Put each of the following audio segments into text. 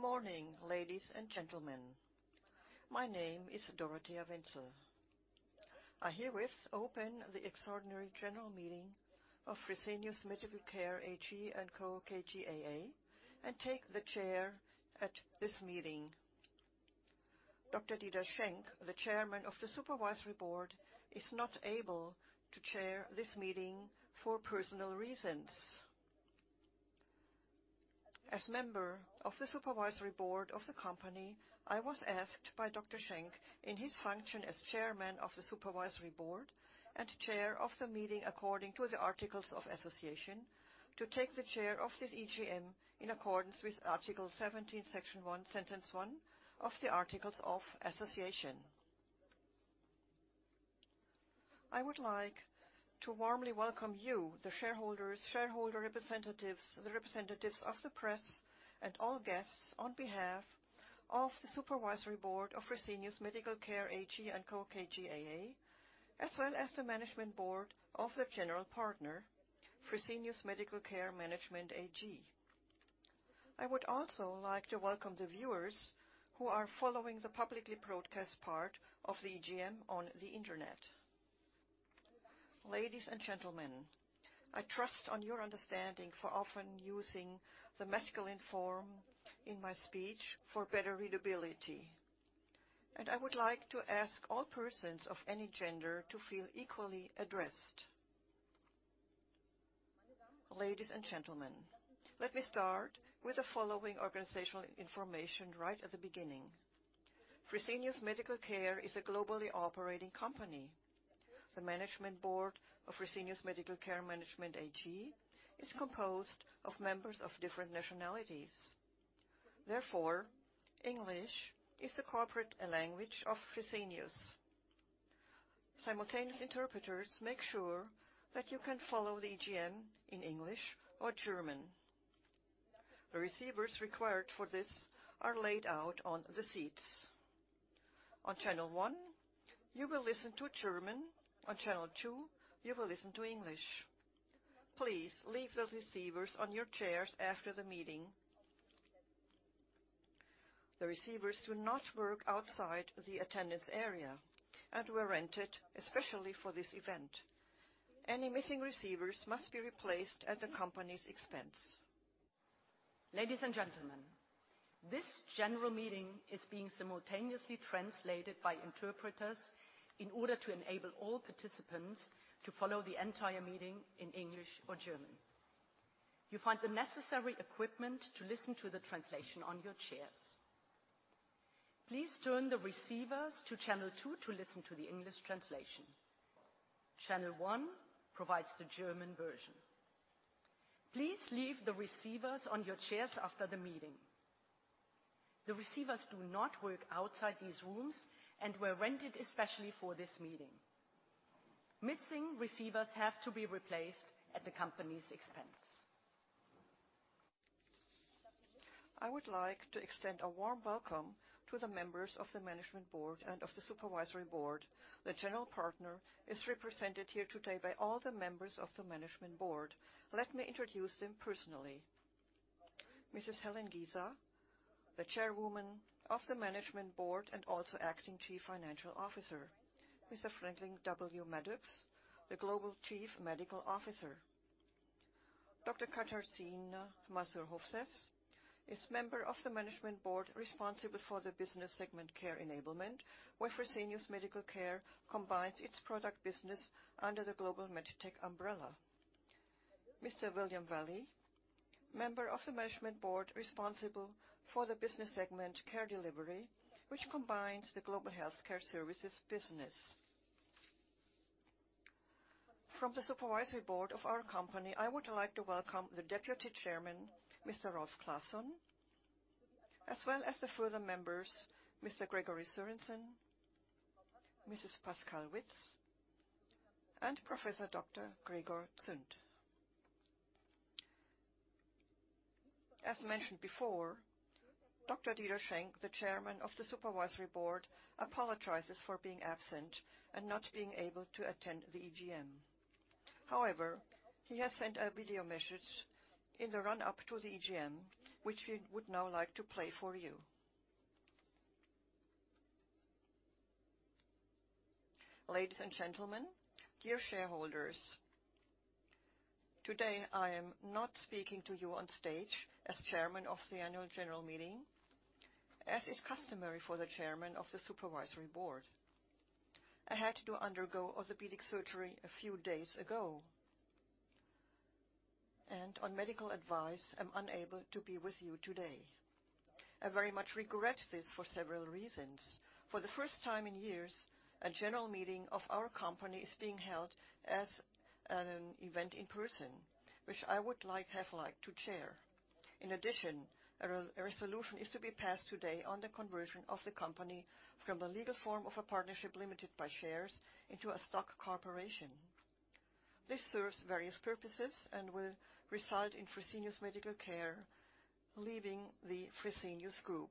Good morning, ladies and gentlemen. My name is Dorothea Wenzel. I herewith open the extraordinary general meeting of Fresenius Medical Care AG & Co KGaA, and take the chair at this meeting. Dr. Dieter Schenk, the Chairman of the Supervisory Board, is not able to chair this meeting for personal reasons. As member of the Supervisory Board of the company, I was asked by Dr. Schenk, in his function as Chairman of the Supervisory Board and chair of the meeting, according to the Articles of Association, to take the chair of this EGM in accordance with Article 17, Section 1, Sentence 1 of the Articles of Association. I would like to warmly welcome you, the shareholders, shareholder representatives, the representatives of the press, and all guests on behalf of the Supervisory Board of Fresenius Medical Care AG & Co KGaA, as well as the management board of the general partner, Fresenius Medical Care Management AG. I would also like to welcome the viewers who are following the publicly broadcast part of the EGM on the Internet. Ladies and gentlemen, I trust on your understanding for often using the masculine form in my speech for better readability, and I would like to ask all persons of any gender to feel equally addressed. Ladies and gentlemen, let me start with the following organizational information right at the beginning. Fresenius Medical Care is a globally operating company. The management board of Fresenius Medical Care Management AG is composed of members of different nationalities. Therefore, English is the corporate language of Fresenius. Simultaneous interpreters make sure that you can follow the EGM in English or German. The receivers required for this are laid out on the seats. On channel one, you will listen to German. On channel two, you will listen to English. Please leave the receivers on your chairs after the meeting. The receivers do not work outside the attendance area and were rented especially for this event. Any missing receivers must be replaced at the company's expense. Ladies and gentlemen, this general meeting is being simultaneously translated by interpreters in order to enable all participants to follow the entire meeting in English or German. You find the necessary equipment to listen to the translation on your chairs. Please turn the receivers to channel two to listen to the English translation. Channel one provides the German version. Please leave the receivers on your chairs after the meeting. The receivers do not work outside these rooms and were rented especially for this meeting. Missing receivers have to be replaced at the company's expense. I would like to extend a warm welcome to the members of the Management Board and of the Supervisory Board. The General Partner is represented here today by all the members of the Management Board. Let me introduce them personally. Mrs. Helen Giza, the Chairwoman of the Management Board and also acting Chief Financial Officer. Mr. Franklin W. Maddux, the Global Chief Medical Officer. Dr. Katarzyna Mazur-Hofsäß is Member of the Management Board, responsible for the business segment Care Enablement, where Fresenius Medical Care combines its product business under the Global Meditech umbrella. Mr. William Valle, Member of the Management Board, responsible for the business segment Care Delivery, which combines the global healthcare services business. From the Supervisory Board of our company, I would like to welcome the Deputy Chairman, Mr. Rolf Classon, as well as the further members, Mr. Gregory Sorensen, and Mrs. Pascale Witz. Professor Dr. Gregor Zünd. As mentioned before, Dr. Dieter Schenk, the Chairman of the Supervisory Board, apologizes for being absent and not being able to attend the EGM. However, he has sent a video message in the run-up to the EGM, which we would now like to play for you. Ladies and gentlemen, dear shareholders, today I am not speaking to you on stage as chairman of the annual general meeting, as is customary for the chairman of the supervisory board. I had to undergo orthopedic surgery a few days ago, and on medical advice, I'm unable to be with you today. I very much regret this for several reasons. For the first time in years, a general meeting of our company is being held as an event in person, which I have liked to chair. In addition, a resolution is to be passed today on the conversion of the company from the legal form of a partnership limited by shares into a stock corporation. This serves various purposes and will result in Fresenius Medical Care leaving the Fresenius Group.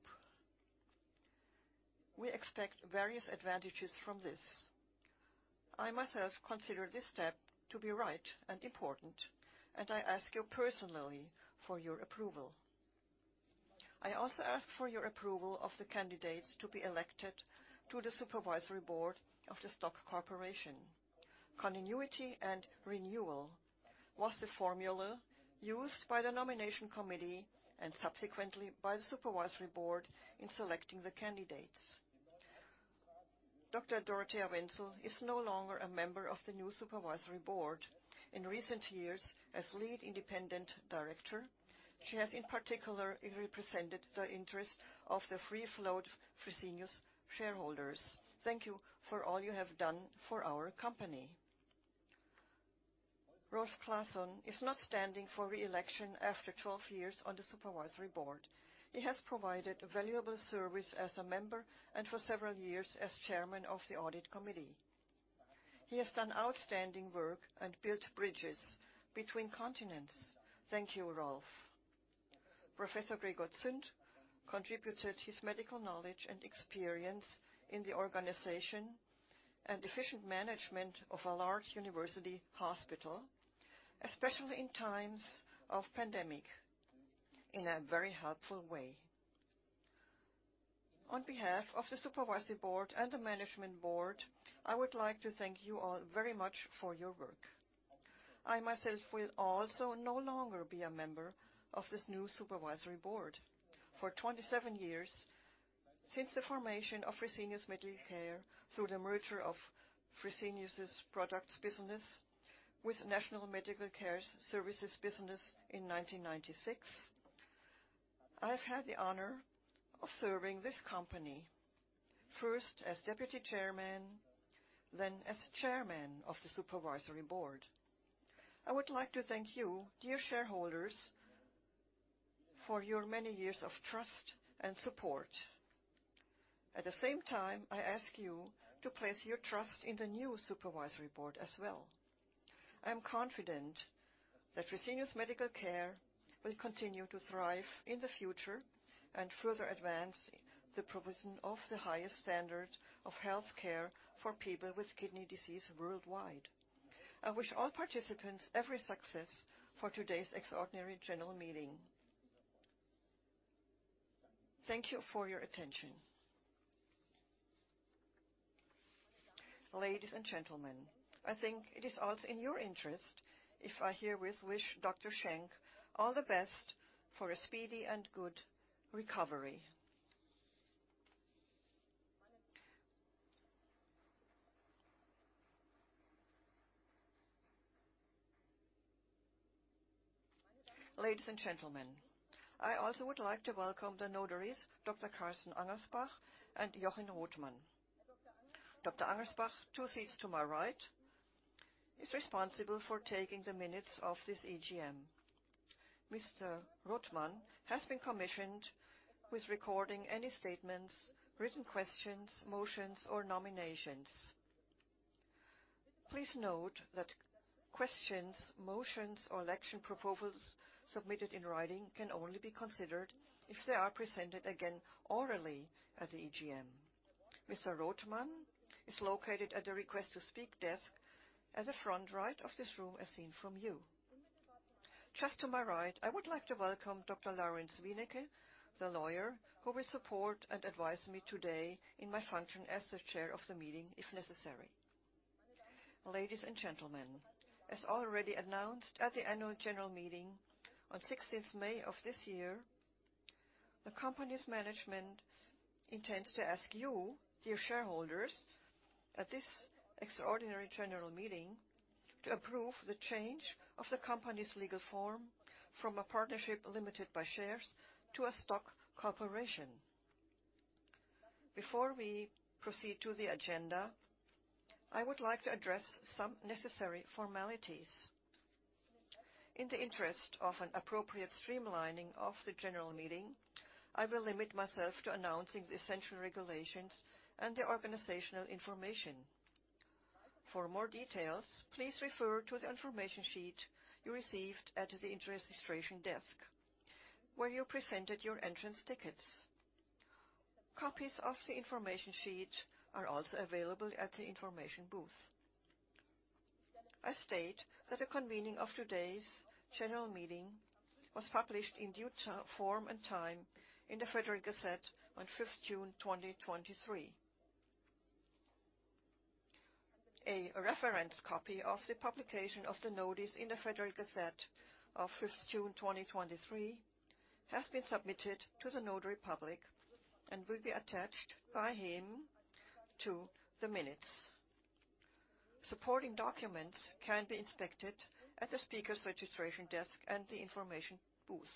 We expect various advantages from this. I myself consider this step to be right and important, and I ask you personally for your approval. I also ask for your approval of the candidates to be elected to the supervisory board of the stock corporation. Continuity and renewal was the formula used by the nomination committee, and subsequently by the supervisory board, in selecting the candidates. Dr. Dorothea Wenzel is no longer a member of the new supervisory board. In recent years, as lead independent director, she has, in particular, represented the interest of the free float Fresenius shareholders. Thank you for all you have done for our company. Rolf Classon is not standing for re-election after 12 years on the supervisory board. He has provided a valuable service as a member, and for several years as Chairman of the Audit Committee. He has done outstanding work and built bridges between continents. Thank you, Rolf. Professor Gregor Zünd contributed his medical knowledge and experience in the organization and efficient management of a large university hospital, especially in times of pandemic, in a very helpful way. On behalf of the supervisory board and the management board, I would like to thank you all very much for your work. I myself will also no longer be a member of this new supervisory board. For 27 years, since the formation of Fresenius Medical Care, through the merger of Fresenius' products business with National Medical Care business in 1996, I've had the honor of serving this company, first as deputy chairman, then as chairman of the supervisory board. I would like to thank you, dear shareholders, for your many years of trust and support. At the same time, I ask you to place your trust in the new supervisory board as well. I am confident that Fresenius Medical Care will continue to thrive in the future and further advance the provision of the highest standard of health care for people with kidney disease worldwide. I wish all participants every success for today's extraordinary general meeting. Thank you for your attention. Ladies and gentlemen, I think it is also in your interest, if I herewith wish Dr. Schenk all the best for a speedy and good recovery. Ladies and gentlemen, I also would like to welcome the notaries, Dr. Carsten Angersbach and Jochen Rothmann. Dr. Angersbach, two seats to my right, is responsible for taking the minutes of this EGM. Mr. Rothman has been commissioned with recording any statements, written questions, motions, or nominations. Please note that questions, motions, or election proposals submitted in writing, can only be considered if they are presented again orally at the EGM. Mr. Rothman is located at the Request to Speak desk at the front right of this room, as seen from you. Just to my right, I would like to welcome Dr. Lawrence Wineke, the lawyer, who will support and advise me today in my function as the chair of the meeting, if necessary. Ladies and gentlemen, as already announced at the annual general meeting on 16th May of this year, the company's management intends to ask you, dear shareholders, at this extraordinary general meeting, to approve the change of the company's legal form from a partnership limited by shares to a stock corporation. Before we proceed to the agenda, I would like to address some necessary formalities. In the interest of an appropriate streamlining of the general meeting, I will limit myself to announcing the essential regulations and the organizational information. For more details, please refer to the information sheet you received at the interest registration desk when you presented your entrance tickets. Copies of the information sheet are also available at the information booth. I state that the convening of today's general meeting was published in due form and time in the Federal Gazette on 5th June, 2023. A reference copy of the publication of the notice in the Federal Gazette of June 5th, 2023, has been submitted to the notary public and will be attached by him to the minutes. Supporting documents can be inspected at the speaker's registration desk and the information booth.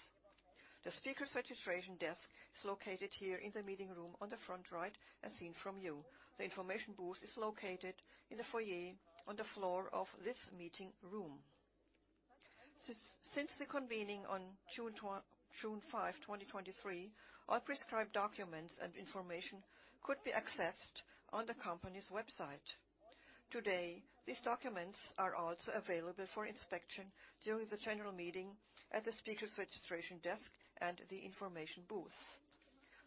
The speaker's registration desk is located here in the meeting room on the front right, as seen from you. The information booth is located in the foyer on the floor of this meeting room. Since the convening on June 5th, 2023, all prescribed documents and information could be accessed on the company's website. Today, these documents are also available for inspection during the general meeting at the speaker's registration desk and the information booth.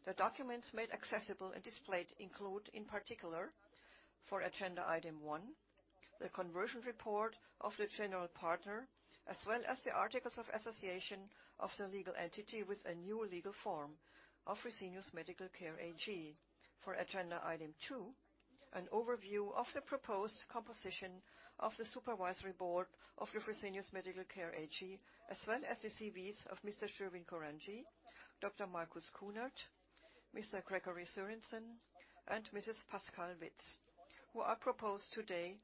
The documents made accessible and displayed include, in particular, for agenda item one, the conversion report of the general partner, as well as the articles of association of the legal entity with a new legal form of Fresenius Medical Care AG. For agenda item two, an overview of the proposed composition of the Supervisory Board of the Fresenius Medical Care AG, as well as the CVs of Mr. Shervin Korangy, Dr. Marcus Kuhnert, Mr. Gregory Sorensen, and Mrs. Pascale Witz, who are proposed today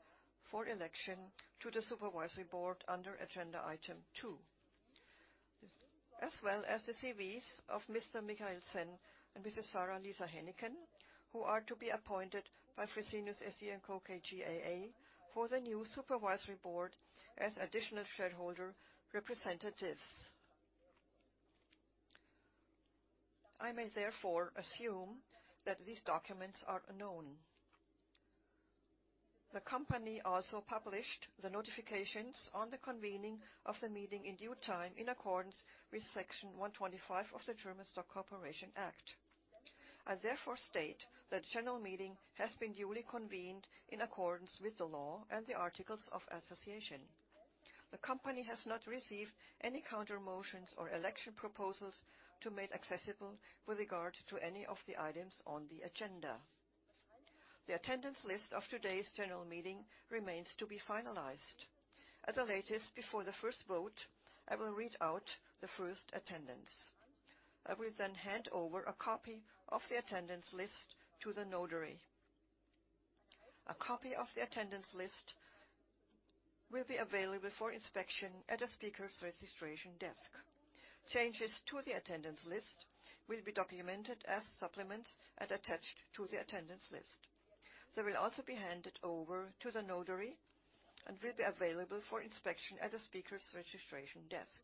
for election to the Supervisory Board under agenda item two. As well as the CVs of Mr. Michael Sen and Mrs. Sara Lisa Hennicken, who are to be appointed by Fresenius SE & Co KGaA for the new Supervisory Board as additional shareholder representatives. I may therefore assume that these documents are known. The company also published the notifications on the convening of the meeting in due time, in accordance with Section 125 of the German Stock Corporation Act. I therefore state that General Meeting has been duly convened in accordance with the law and the articles of association. The company has not received any counter motions or election proposals to make accessible with regard to any of the items on the agenda. The attendance list of today's General Meeting remains to be finalized. At the latest before the first vote, I will read out the first attendance. I will then hand over a copy of the attendance list to the notary. A copy of the attendance list will be available for inspection at the speaker's registration desk. Changes to the attendance list will be documented as supplements and attached to the attendance list. They will also be handed over to the notary and will be available for inspection at the speaker's registration desk.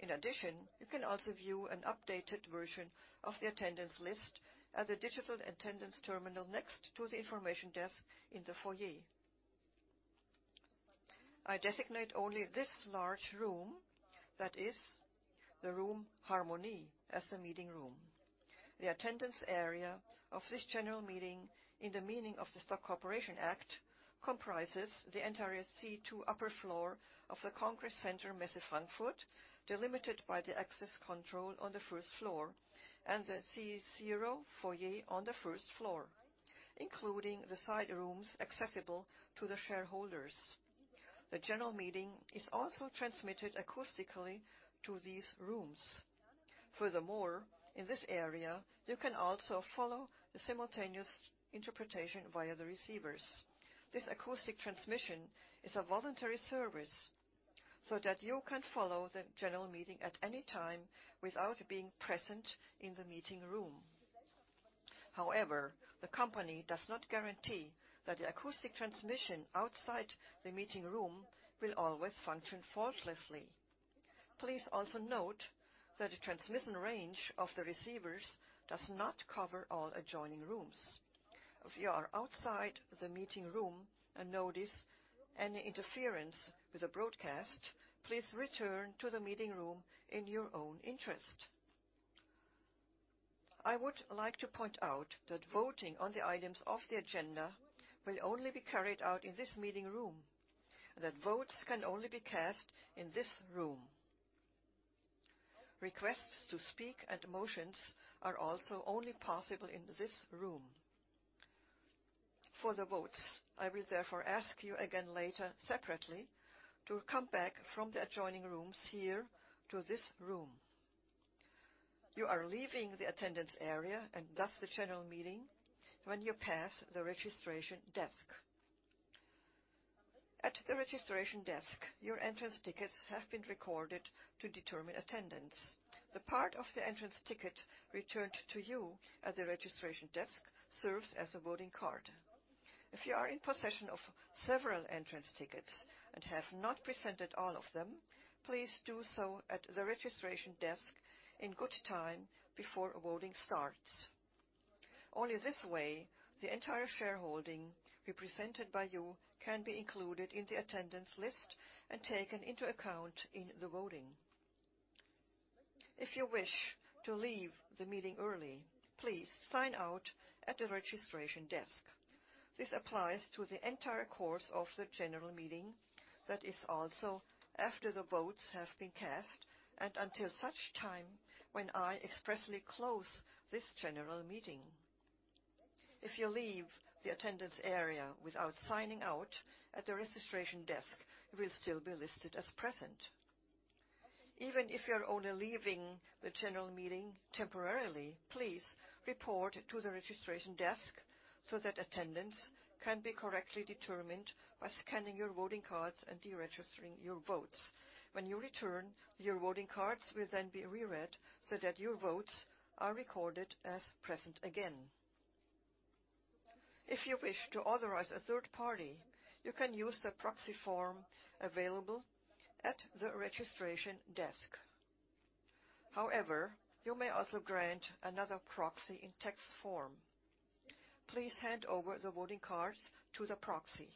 In addition, you can also view an updated version of the attendance list at the digital attendance terminal next to the information desk in the foyer. I designate only this large room, that is the room Harmonie, as the meeting room. The attendance area of this general meeting, in the meaning of the Stock Corporation Act, comprises the entire C2 upper floor of the Congress Center, Messe Frankfurt, delimited by the access control on the first floor and the C0 foyer on the first floor, including the side rooms accessible to the shareholders. The general meeting is also transmitted acoustically to these rooms. Furthermore, in this area, you can also follow the simultaneous interpretation via the receivers. This acoustic transmission is a voluntary service, so that you can follow the general meeting at any time without being present in the meeting room. However, the company does not guarantee that the acoustic transmission outside the meeting room will always function faultlessly. Please also note that the transmission range of the receivers does not cover all adjoining rooms. If you are outside the meeting room and notice any interference with the broadcast, please return to the meeting room in your own interest. I would like to point out that voting on the items of the agenda will only be carried out in this meeting room, and that votes can only be cast in this room. Requests to speak and motions are also only possible in this room. For the votes, I will therefore ask you again later, separately, to come back from the adjoining rooms here to this room. You are leaving the attendance area and thus the general meeting when you pass the registration desk. At the registration desk, your entrance tickets have been recorded to determine attendance. The part of the entrance ticket returned to you at the registration desk serves as a voting card. If you are in possession of several entrance tickets and have not presented all of them, please do so at the registration desk in good time before voting starts. Only this way, the entire shareholding represented by you can be included in the attendance list and taken into account in the voting. If you wish to leave the meeting early, please sign out at the registration desk. This applies to the entire course of the general meeting, that is also after the votes have been cast, and until such time when I expressly close this general meeting. If you leave the attendance area without signing out at the registration desk, you will still be listed as present. Even if you are only leaving the general meeting temporarily, please report to the registration desk so that attendance can be correctly determined by scanning your voting cards and deregistering your votes. When you return, your voting cards will then be re-read so that your votes are recorded as present again. If you wish to authorize a third party, you can use the proxy form available at the registration desk. You may also grant another proxy in text form. Please hand over the voting cards to the proxy.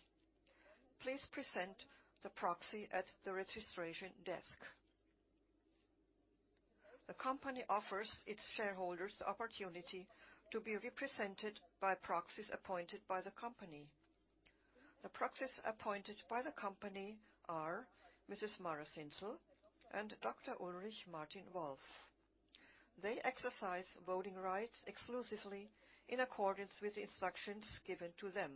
Please present the proxy at the registration desk. The company offers its shareholders the opportunity to be represented by proxies appointed by the company. The proxies appointed by the company are Mrs. Mara Sinsel and Dr. Ulrich Martin Wolf. They exercise voting rights exclusively in accordance with the instructions given to them.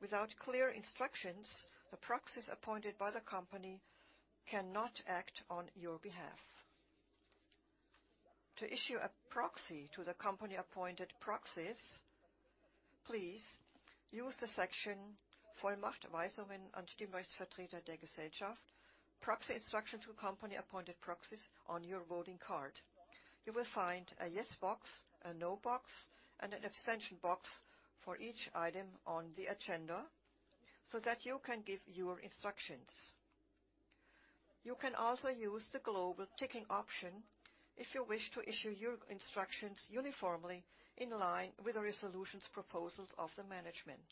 Without clear instructions, the proxies appointed by the company cannot act on your behalf. To issue a proxy to the company-appointed proxies, please use the section, Vollmacht Weisungen an die Mehrheitsvertreter der Gesellschaft, proxy instruction to company-appointed proxies on your voting card. You will find a yes box, a no box, and an extension box for each item on the agenda, so that you can give your instructions. You can also use the global ticking option if you wish to issue your instructions uniformly in line with the resolutions proposals of the management.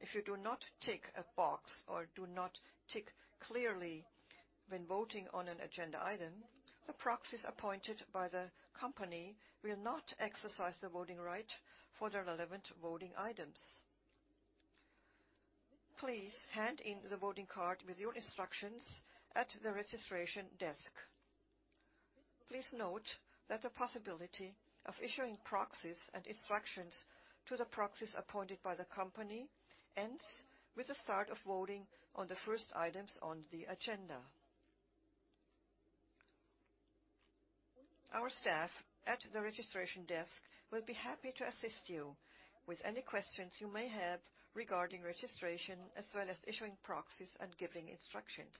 If you do not tick a box or do not tick clearly when voting on an agenda item, the proxies appointed by the company will not exercise the voting right for the relevant voting items. Please hand in the voting card with your instructions at the registration desk. Please note that the possibility of issuing proxies and instructions to the proxies appointed by the company ends with the start of voting on the first items on the agenda. Our staff at the registration desk will be happy to assist you with any questions you may have regarding registration, as well as issuing proxies and giving instructions.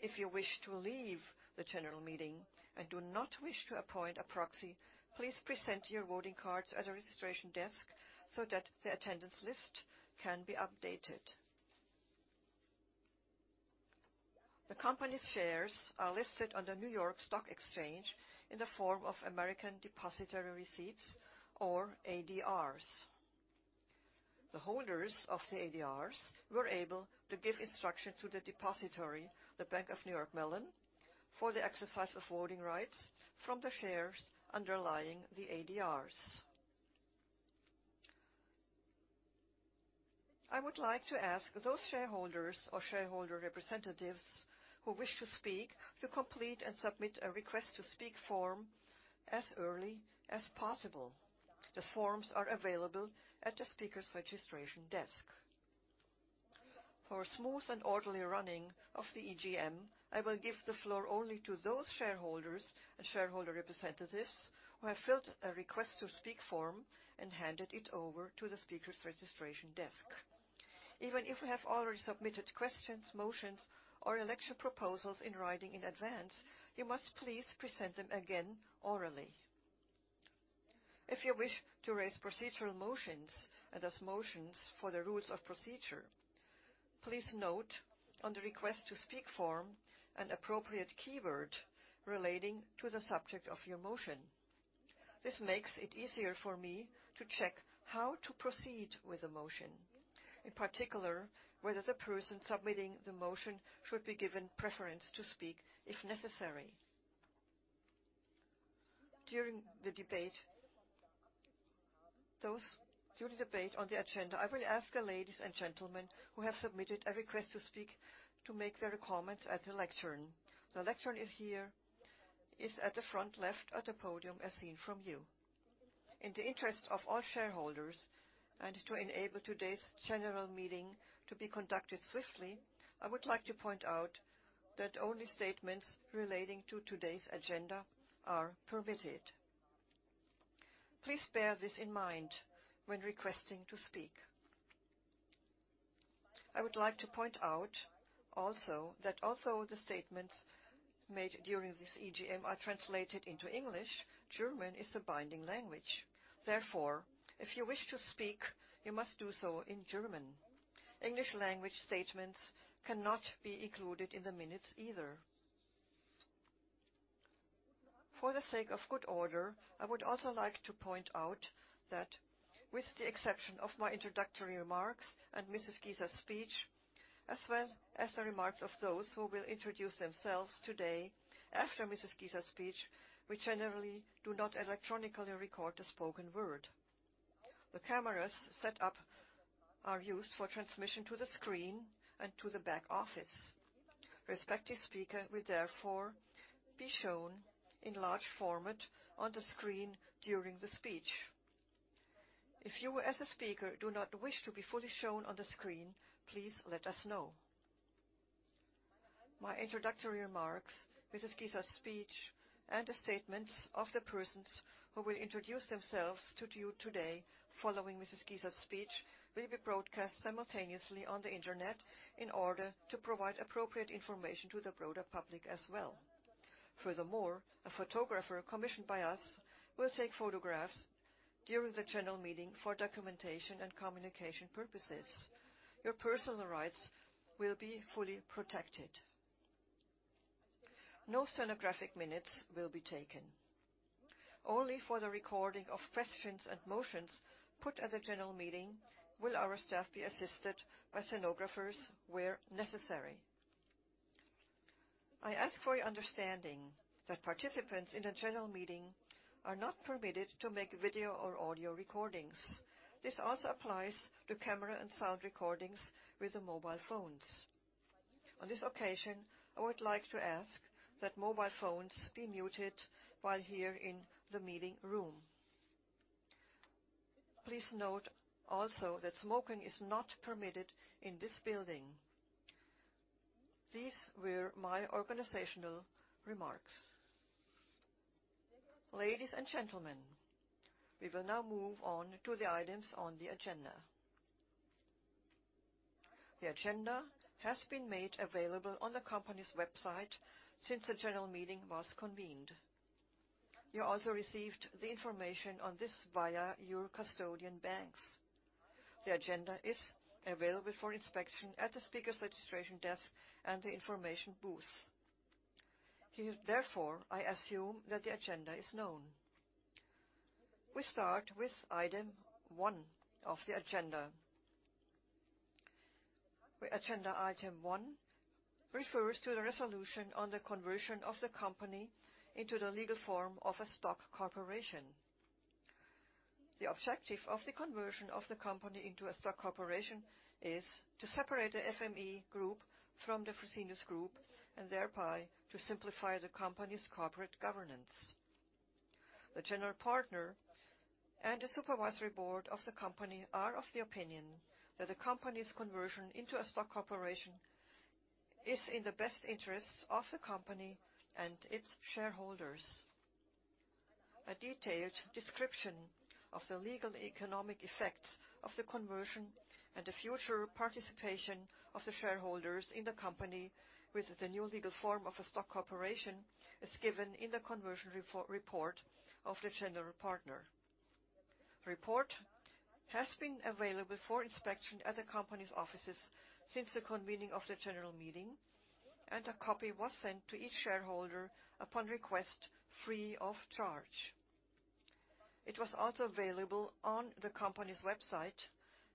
If you wish to leave the general meeting and do not wish to appoint a proxy, please present your voting cards at a registration desk so that the attendance list can be updated. The company's shares are listed on the New York Stock Exchange in the form of American Depositary Receipts or ADRs. The holders of the ADRs were able to give instructions to the depository, the Bank of New York Mellon, for the exercise of voting rights from the shares underlying the ADRs. I would like to ask those shareholders or shareholder representatives who wish to speak, to complete and submit a request-to-speak form as early as possible. The forms are available at the speaker's registration desk. For a smooth and orderly running of the EGM, I will give the floor only to those shareholders and shareholder representatives who have filled a request-to-speak form and handed it over to the speaker's registration desk. Even if you have already submitted questions, motions, or election proposals in writing in advance, you must please present them again orally. If you wish to raise procedural motions and thus motions for the rules of procedure, please note on the request-to-speak form an appropriate keyword relating to the subject of your motion. This makes it easier for me to check how to proceed with the motion, in particular, whether the person submitting the motion should be given preference to speak, if necessary. During the debate on the agenda, I will ask the ladies and gentlemen who have submitted a request to speak to make their comments at the lectern. The lectern is here, is at the front left of the podium, as seen from you. In the interest of all shareholders and to enable today's general meeting to be conducted swiftly, I would like to point out that only statements relating to today's agenda are permitted. Please bear this in mind when requesting to speak. I would like to point out also that although the statements made during this EGM are translated into English, German is the binding language. If you wish to speak, you must do so in German. English language statements cannot be included in the minutes either. For the sake of good order, I would also like to point out that with the exception of my introductory remarks and Mrs. Giza's speech, as well as the remarks of those who will introduce themselves today after Mrs. Giza's speech, we generally do not electronically record the spoken word. The cameras set up are used for transmission to the screen and to the back office. Respective speaker will therefore be shown in large format on the screen during the speech. If you, as a speaker, do not wish to be fully shown on the screen, please let us know. My introductory remarks, Mrs. Giza's speech, and the statements of the persons who will introduce themselves to you today, following Mrs. Giza's speech, will be broadcast simultaneously on the Internet in order to provide appropriate information to the broader public as well. Furthermore, a photographer commissioned by us will take photographs during the General Meeting for documentation and communication purposes. Your personal rights will be fully protected. No stenographic minutes will be taken. Only for the recording of questions and motions put at the General Meeting will our staff be assisted by stenographers where necessary. I ask for your understanding that participants in the General Meeting are not permitted to make video or audio recordings. This also applies to camera and sound recordings with the mobile phones. On this occasion, I would like to ask that mobile phones be muted while here in the meeting room. Please note also that smoking is not permitted in this building. These were my organizational remarks. Ladies and gentlemen, we will now move on to the items on the agenda. The agenda has been made available on the company's website since the General Meeting was convened. You also received the information on this via your custodian banks. The agenda is available for inspection at the speaker's registration desk and the information booth. Here, therefore, I assume that the agenda is known. We start with item one of the agenda, where agenda item one refers to the resolution on the conversion of the company into the legal form of a stock corporation. The objective of the conversion of the company into a stock corporation is to separate the FME Group from the Fresenius Group, and thereby, to simplify the company's corporate governance. The general partner and the supervisory board of the company are of the opinion that the company's conversion into a stock corporation is in the best interests of the company and its shareholders. A detailed description of the legal economic effects of the conversion and the future participation of the shareholders in the company with the new legal form of a stock corporation, is given in the conversion report of the general partner. Report has been available for inspection at the company's offices since the convening of the General Meeting, and a copy was sent to each shareholder upon request, free of charge. It was also available on the company's website,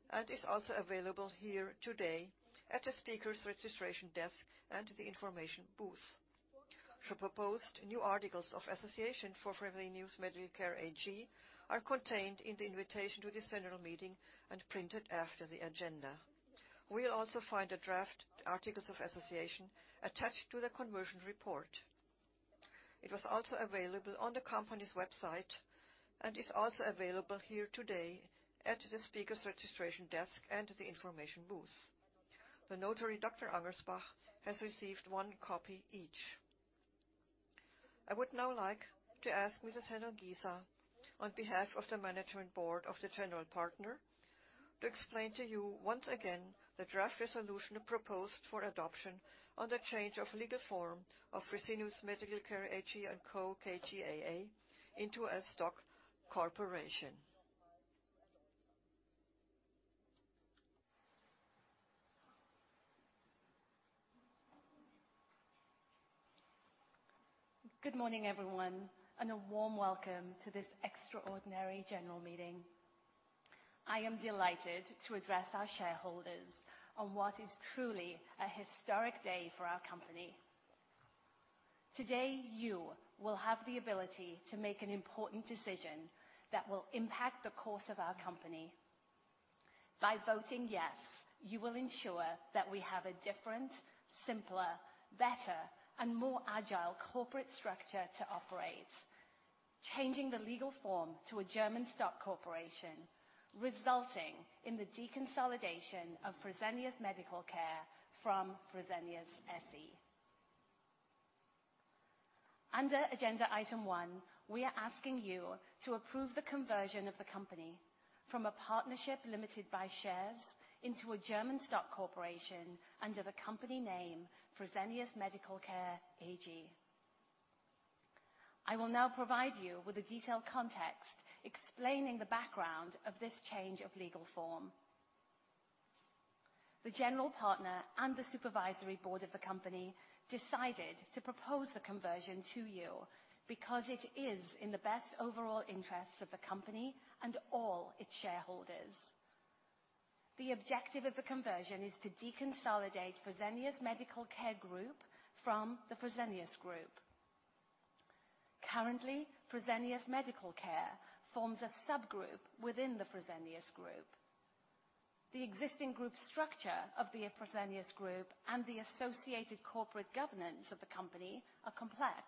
and is also available here today at the speaker's registration desk and the information booth. The proposed new articles of association for Fresenius Medical Care AG are contained in the invitation to this General Meeting and printed after the agenda. We'll also find the draft articles of association attached to the conversion report. It was also available on the company's website, and is also available here today at the speaker's registration desk and the information booth. The notary, Dr. Angersbach, has received one copy each. I would now like to ask Mrs. Helen Giza, on behalf of the management board of the general partner, to explain to you once again the draft resolution proposed for adoption on the change of legal form of Fresenius Medical Care AG & Co KGaA into a stock corporation. Good morning, everyone. A warm welcome to this extraordinary General Meeting. I am delighted to address our shareholders on what is truly a historic day for our company. Today, you will have the ability to make an important decision that will impact the course of our company. By voting yes, you will ensure that we have a different, simpler, better, and more agile corporate structure to operate, changing the legal form to a German stock corporation, resulting in the deconsolidation of Fresenius Medical Care from Fresenius SE. Under agenda item one, we are asking you to approve the conversion of the company from a partnership limited by shares into a German stock corporation under the company name Fresenius Medical Care AG. I will now provide you with a detailed context explaining the background of this change of legal form. The general partner and the supervisory board of the company decided to propose the conversion to you because it is in the best overall interests of the company and all its shareholders. The objective of the conversion is to deconsolidate Fresenius Medical Care Group from the Fresenius Group. Currently, Fresenius Medical Care forms a subgroup within the Fresenius Group. The existing group structure of the Fresenius Group and the associated corporate governance of the company are complex.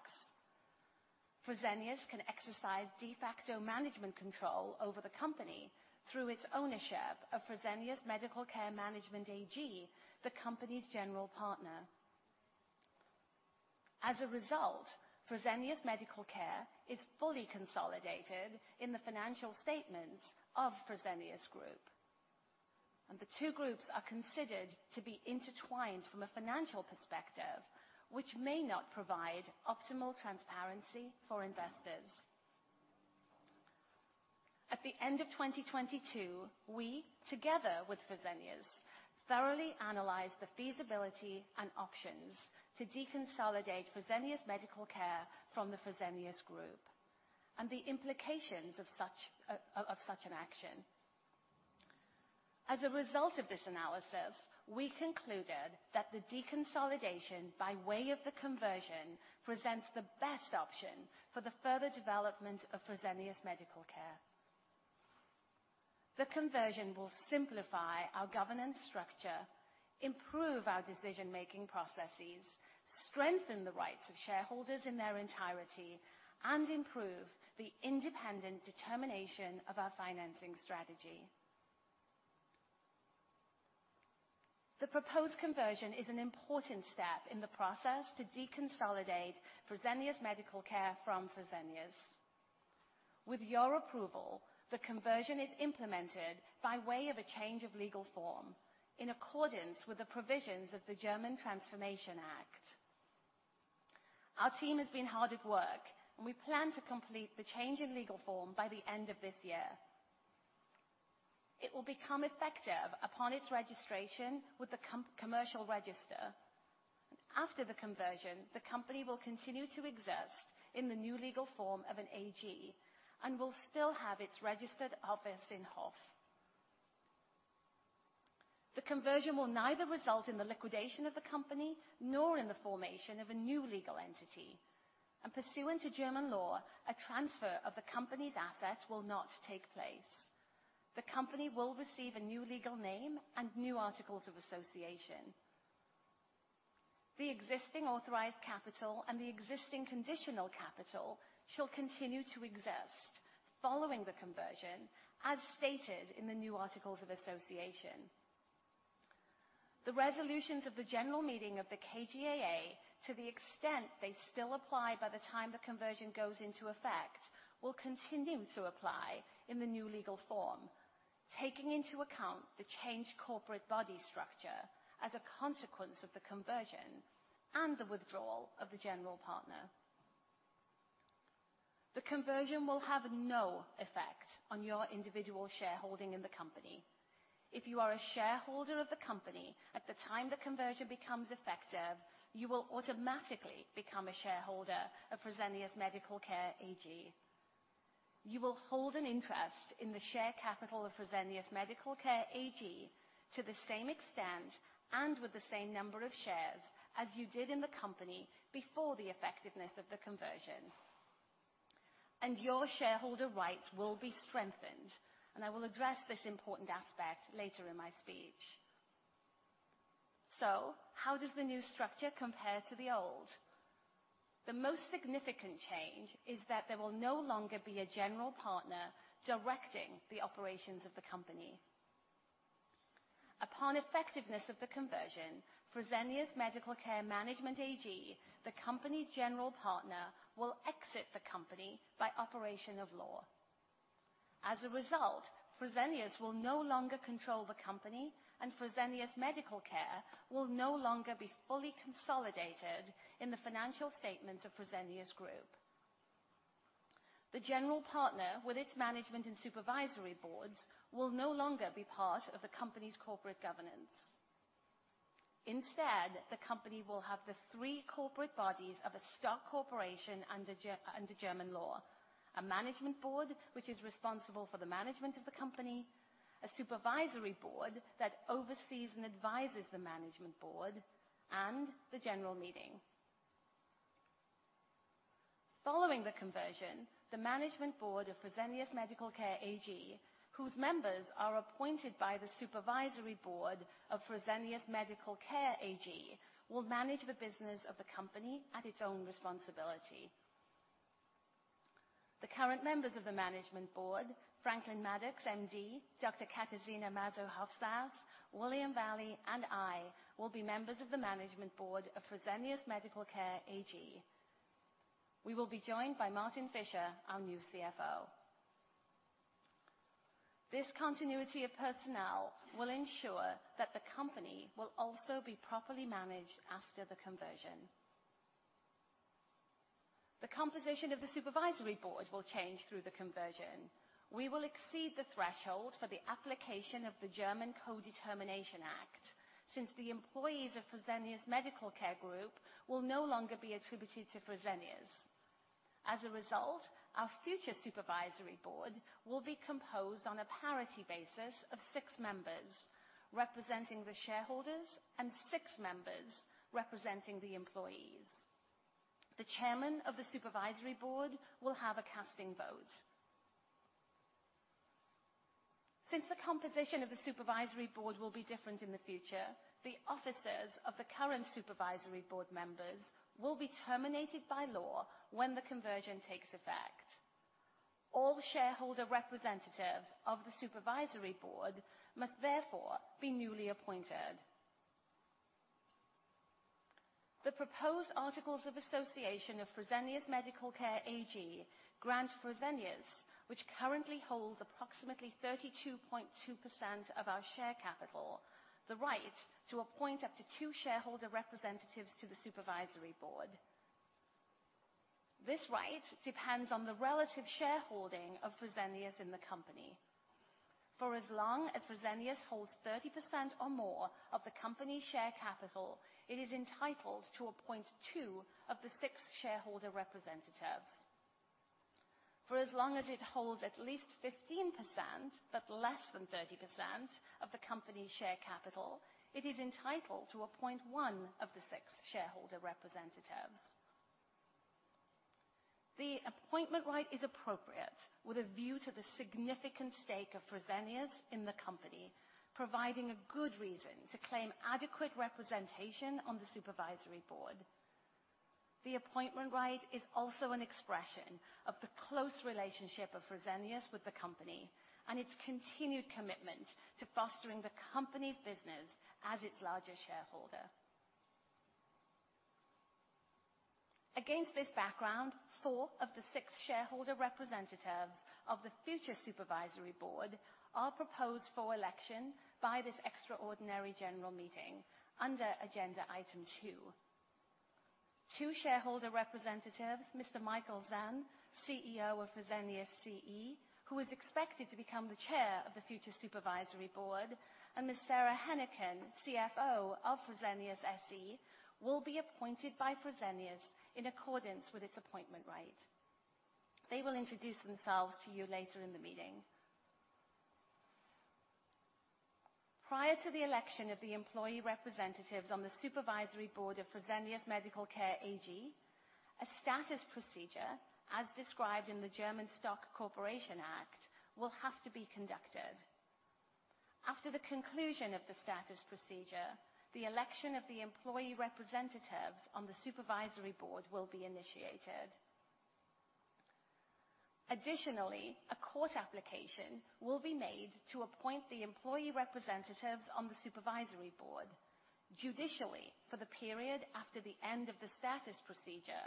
Fresenius can exercise de facto management control over the company through its ownership of Fresenius Medical Care Management AG, the company's general partner. As a result, Fresenius Medical Care is fully consolidated in the financial statements of Fresenius Group.... and the two groups are considered to be intertwined from a financial perspective, which may not provide optimal transparency for investors. At the end of 2022, we, together with Fresenius, thoroughly analyzed the feasibility and options to deconsolidate Fresenius Medical Care from the Fresenius Group, and the implications of such an action. As a result of this analysis, we concluded that the deconsolidation by way of the conversion presents the best option for the further development of Fresenius Medical Care. The conversion will simplify our governance structure, improve our decision-making processes, strengthen the rights of shareholders in their entirety, and improve the independent determination of our financing strategy. The proposed conversion is an important step in the process to deconsolidate Fresenius Medical Care from Fresenius. With your approval, the conversion is implemented by way of a change of legal form, in accordance with the provisions of the German Transformation Act. Our team has been hard at work, we plan to complete the change in legal form by the end of this year. It will become effective upon its registration with the commercial register. After the conversion, the company will continue to exist in the new legal form of an AG and will still have its registered office in Hof. The conversion will neither result in the liquidation of the company, nor in the formation of a new legal entity. Pursuant to German law, a transfer of the company's assets will not take place. The company will receive a new legal name and new articles of association. The existing authorized capital and the existing conditional capital shall continue to exist following the conversion, as stated in the new articles of association. The resolutions of the general meeting of the KGAA, to the extent they still apply by the time the conversion goes into effect, will continue to apply in the new legal form, taking into account the changed corporate body structure as a consequence of the conversion and the withdrawal of the general partner. The conversion will have no effect on your individual shareholding in the company. If you are a shareholder of the company at the time the conversion becomes effective, you will automatically become a shareholder of Fresenius Medical Care AG. You will hold an interest in the share capital of Fresenius Medical Care AG to the same extent and with the same number of shares as you did in the company before the effectiveness of the conversion, and your shareholder rights will be strengthened, and I will address this important aspect later in my speech. How does the new structure compare to the old? The most significant change is that there will no longer be a general partner directing the operations of the company. Upon effectiveness of the conversion, Fresenius Medical Care Management AG, the company's general partner, will exit the company by operation of law. As a result, Fresenius will no longer control the company, and Fresenius Medical Care will no longer be fully consolidated in the financial statements of Fresenius Group. The general partner, with its management and supervisory boards, will no longer be part of the company's corporate governance. Instead, the company will have the three corporate bodies of a stock corporation under German law: a management board, which is responsible for the management of the company, a supervisory board that oversees and advises the management board, and the general meeting. Following the conversion, the management board of Fresenius Medical Care AG, whose members are appointed by the supervisory board of Fresenius Medical Care AG, will manage the business of the company at its own responsibility. The current members of the management board, Franklin Maddox, MD, Dr. Katarzyna Mazur-Hofsäß, William Valle, and I, will be members of the management board of Fresenius Medical Care AG. We will be joined by Martin Fischer, our new CFO. This continuity of personnel will ensure that the company will also be properly managed after the conversion. The composition of the supervisory board will change through the conversion. We will exceed the threshold for the application of the German Codetermination Act, since the employees of Fresenius Medical Care Group will no longer be attributed to Fresenius. As a result, our future supervisory board will be composed on a parity basis of six members, representing the shareholders, and six members representing the employees. The chairman of the supervisory board will have a casting vote. Since the composition of the supervisory board will be different in the future, the offices of the current supervisory board members will be terminated by law when the conversion takes effect. All shareholder representatives of the supervisory board must therefore be newly appointed.... The proposed articles of association of Fresenius Medical Care AG grant Fresenius, which currently holds approximately 32.2% of our share capital, the right to appoint up to two shareholder representatives to the supervisory board. This right depends on the relative shareholding of Fresenius in the company. For as long as Fresenius holds 30% or more of the company's share capital, it is entitled to appoint two of the six shareholder representatives. For as long as it holds at least 15%, but less than 30% of the company's share capital, it is entitled to appoint one of the six shareholder representatives. The appointment right is appropriate with a view to the significant stake of Fresenius in the company, providing a good reason to claim adequate representation on the supervisory board. The appointment right is also an expression of the close relationship of Fresenius with the company and its continued commitment to fostering the company's business as its largest shareholder. Against this background, four of the six shareholder representatives of the future supervisory board are proposed for election by this extraordinary general meeting under agenda item two. Two shareholder representatives, Mr. Michael Sen, CEO of Fresenius SE, who is expected to become the Chair of the future Supervisory Board, and Ms. Sara Hennicken, CFO of Fresenius SE, will be appointed by Fresenius SE in accordance with its appointment right. They will introduce themselves to you later in the meeting. Prior to the election of the employee representatives on the Supervisory Board of Fresenius Medical Care AG, a status procedure, as described in the German Stock Corporation Act, will have to be conducted. After the conclusion of the status procedure, the election of the employee representatives on the Supervisory Board will be initiated. Additionally, a court application will be made to appoint the employee representatives on the Supervisory Board judicially for the period after the end of the status procedure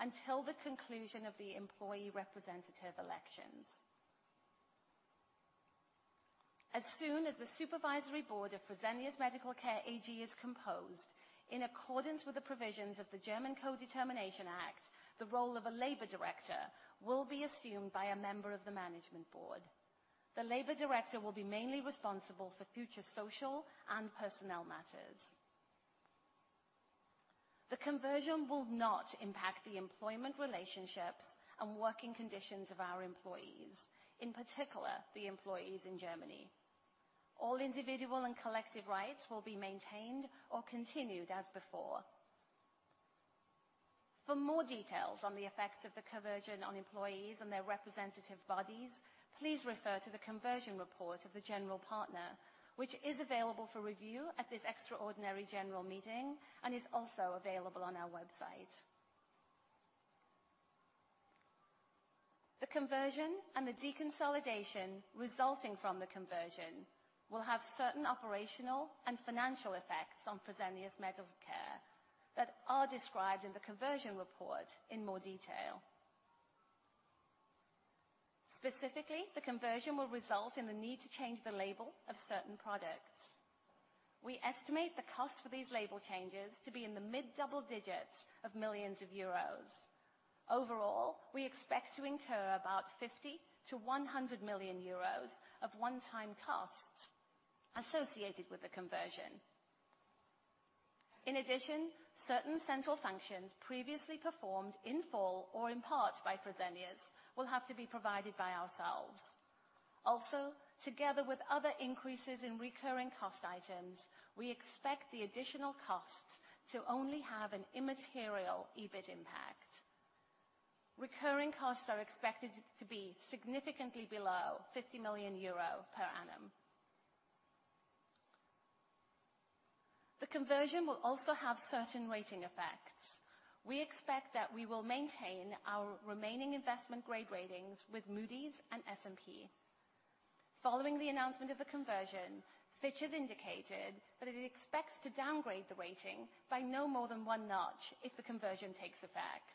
until the conclusion of the employee representative elections. As soon as the supervisory board of Fresenius Medical Care AG is composed, in accordance with the provisions of the German Codetermination Act, the role of a labor director will be assumed by a member of the management board. The labor director will be mainly responsible for future social and personnel matters. The conversion will not impact the employment relationships and working conditions of our employees, in particular, the employees in Germany. All individual and collective rights will be maintained or continued as before. For more details on the effects of the conversion on employees and their representative bodies, please refer to the conversion report of the general partner, which is available for review at this extraordinary general meeting and is also available on our website. The conversion and the deconsolidation resulting from the conversion will have certain operational and financial effects on Fresenius Medical Care that are described in the conversion report in more detail. Specifically, the conversion will result in the need to change the label of certain products. We estimate the cost for these label changes to be in the mid-double digits of millions of euros. Overall, we expect to incur about 50 million-100 million euros of one-time costs associated with the conversion. Certain central functions previously performed in full or in part by Fresenius will have to be provided by ourselves. Together with other increases in recurring cost items, we expect the additional costs to only have an immaterial EBIT impact. Recurring costs are expected to be significantly below 50 million euro per annum. The conversion will also have certain rating effects. We expect that we will maintain our remaining investment grade ratings with Moody's and S&P. Following the announcement of the conversion, Fitch has indicated that it expects to downgrade the rating by no more than one notch if the conversion takes effect.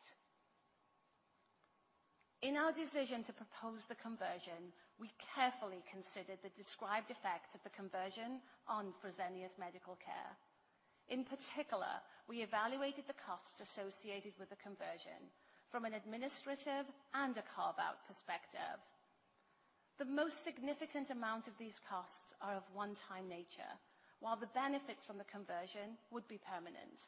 In our decision to propose the conversion, we carefully considered the described effects of the conversion on Fresenius Medical Care. In particular, we evaluated the costs associated with the conversion from an administrative and a carve-out perspective. The most significant amount of these costs are of one-time nature, while the benefits from the conversion would be permanent.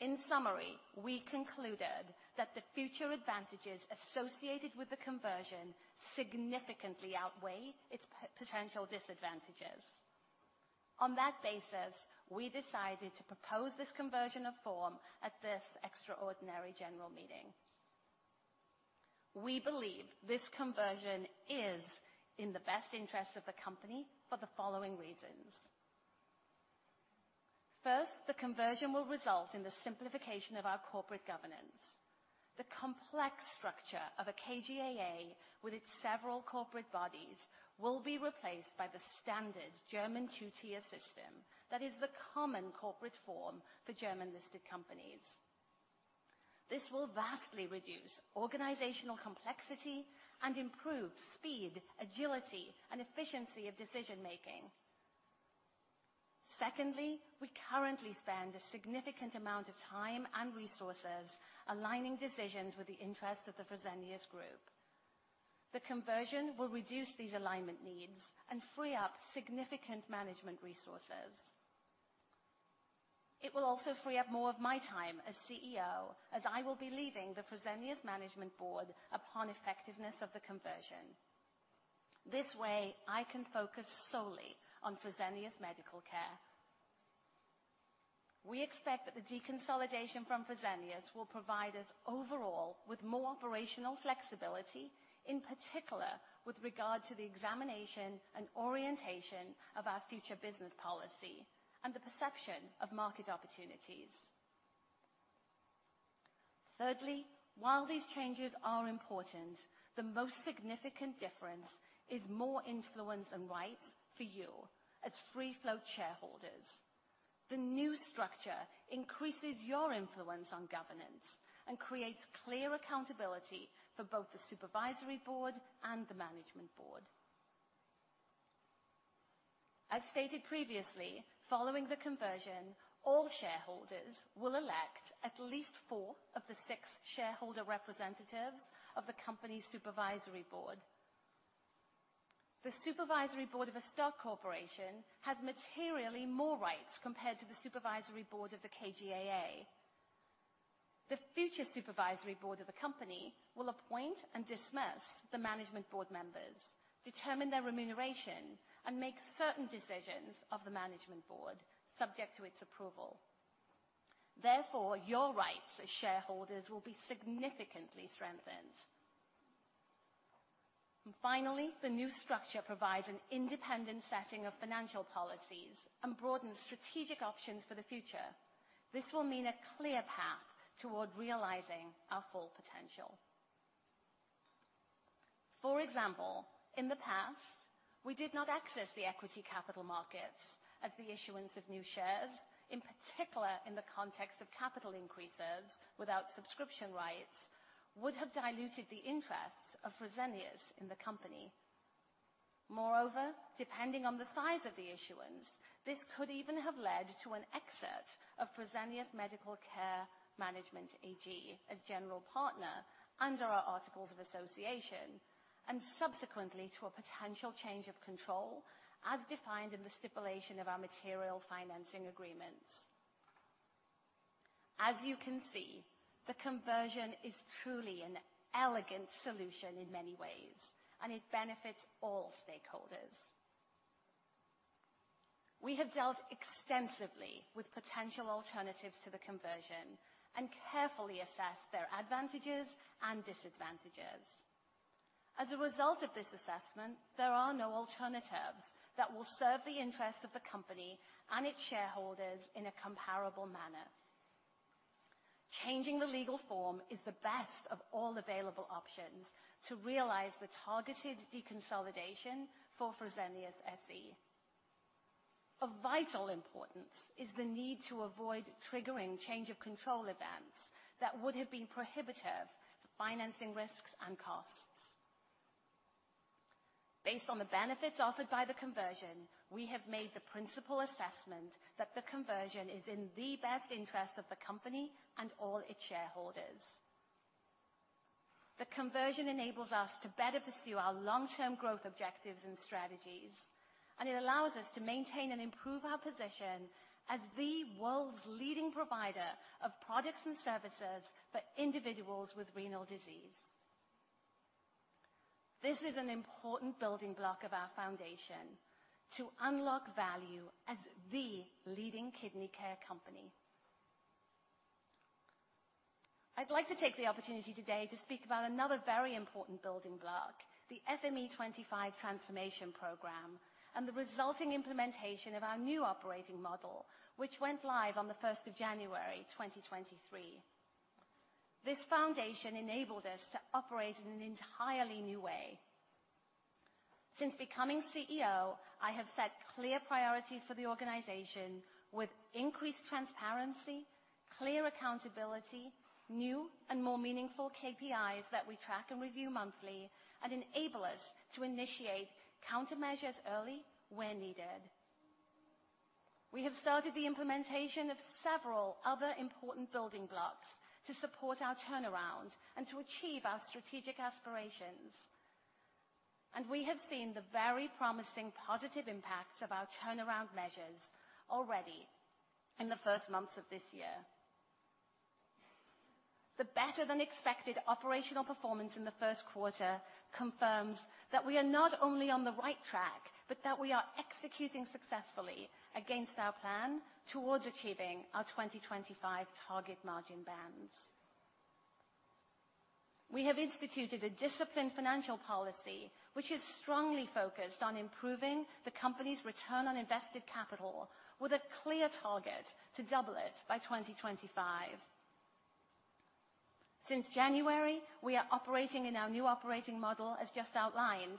In summary, we concluded that the future advantages associated with the conversion significantly outweigh its potential disadvantages. On that basis, we decided to propose this conversion of form at this extraordinary general meeting. We believe this conversion is in the best interest of the company for the following reasons: First, the conversion will result in the simplification of our corporate governance.... The complex structure of a KGaA, with its several corporate bodies, will be replaced by the standard German two-tier system that is the common corporate form for German-listed companies. This will vastly reduce organizational complexity and improve speed, agility, and efficiency of decision-making. Secondly, we currently spend a significant amount of time and resources aligning decisions with the interest of the Fresenius Group. The conversion will reduce these alignment needs and free up significant management resources. It will also free up more of my time as CEO, as I will be leaving the Fresenius Management Board upon effectiveness of the conversion. This way, I can focus solely on Fresenius Medical Care. We expect that the deconsolidation from Fresenius will provide us overall with more operational flexibility, in particular, with regard to the examination and orientation of our future business policy and the perception of market opportunities. Thirdly, while these changes are important, the most significant difference is more influence and rights for you as free flow shareholders. The new structure increases your influence on governance and creates clear accountability for both the supervisory board and the management board. As stated previously, following the conversion, all shareholders will elect at least four of the six shareholder representatives of the company's supervisory board. The supervisory board of a stock corporation has materially more rights compared to the supervisory board of the KGaA. The future supervisory board of the company will appoint and dismiss the management board members, determine their remuneration, and make certain decisions of the management board, subject to its approval. Therefore, your rights as shareholders will be significantly strengthened. Finally, the new structure provides an independent setting of financial policies and broadens strategic options for the future. This will mean a clear path toward realizing our full potential. For example, in the past, we did not access the equity capital markets as the issuance of new shares, in particular, in the context of capital increases without subscription rights, would have diluted the interests of Fresenius in the company. Moreover, depending on the size of the issuance, this could even have led to an exit of Fresenius Medical Care Management AG as general partner under our Articles of Association, and subsequently to a potential change of control, as defined in the stipulation of our material financing agreements. As you can see, the conversion is truly an elegant solution in many ways, and it benefits all stakeholders. We have dealt extensively with potential alternatives to the conversion and carefully assessed their advantages and disadvantages. As a result of this assessment, there are no alternatives that will serve the interests of the company and its shareholders in a comparable manner. Changing the legal form is the best of all available options to realize the targeted deconsolidation for Fresenius SE. Of vital importance is the need to avoid triggering change of control events that would have been prohibitive for financing risks and costs. Based on the benefits offered by the conversion, we have made the principal assessment that the conversion is in the best interest of the company and all its shareholders. The conversion enables us to better pursue our long-term growth objectives and strategies, and it allows us to maintain and improve our position as the world's leading provider of products and services for individuals with renal disease. This is an important building block of our foundation to unlock value as the leading kidney care company. I'd like to take the opportunity today to speak about another very important building block, the FME25 transformation program, and the resulting implementation of our new operating model, which went live on the 1st of January, 2023. This foundation enabled us to operate in an entirely new way. Since becoming CEO, I have set clear priorities for the organization with increased transparency, clear accountability, new and more meaningful KPIs that we track and review monthly, and enable us to initiate countermeasures early where needed. We have started the implementation of several other important building blocks to support our turnaround and to achieve our strategic aspirations, and we have seen the very promising positive impacts of our turnaround measures already in the first months of this year. The better-than-expected operational performance in the first quarter confirms that we are not only on the right track, but that we are executing successfully against our plan towards achieving our 2025 target margin bands. We have instituted a disciplined financial policy, which is strongly focused on improving the company's return on invested capital, with a clear target to double it by 2025. Since January, we are operating in our new operating model as just outlined.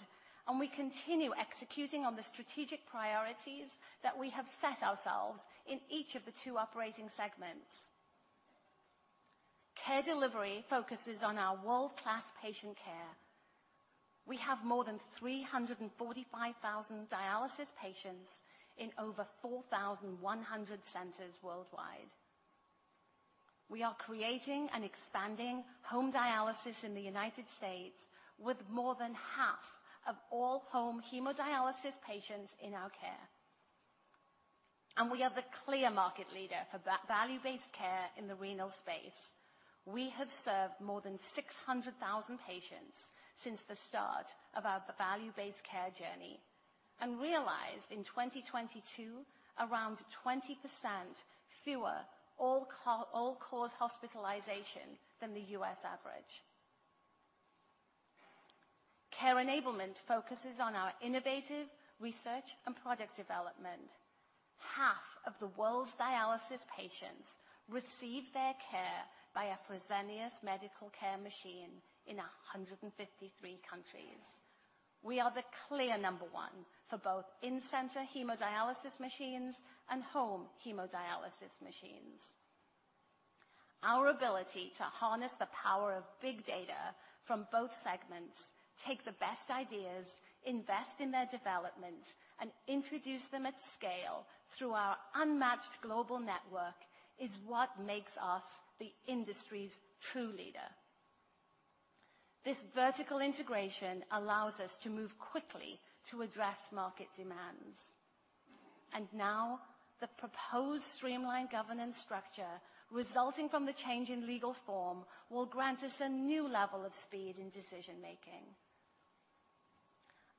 We continue executing on the strategic priorities that we have set ourselves in each of the two operating segments. Care Delivery focuses on our world-class patient care. We have more than 345,000 dialysis patients in over 4,100 centers worldwide. We are creating and expanding home dialysis in the U.S. with more than half of all home hemodialysis patients in our care. We are the clear market leader for value-based care in the renal space. We have served more than 600,000 patients since the start of our value-based care journey, and realized in 2022, around 20% fewer all-cause hospitalization than the U.S. average. Care Enablement focuses on our innovative research and product development. Half of the world's dialysis patients receive their care by a Fresenius Medical Care machine in 153 countries. We are the clear number one for both in-center hemodialysis machines and home hemodialysis machines. Our ability to harness the power of big data from both segments, take the best ideas, invest in their development, and introduce them at scale through our unmatched global network, is what makes us the industry's true leader. This vertical integration allows us to move quickly to address market demands, and now the proposed streamlined governance structure, resulting from the change in legal form, will grant us a new level of speed in decision-making.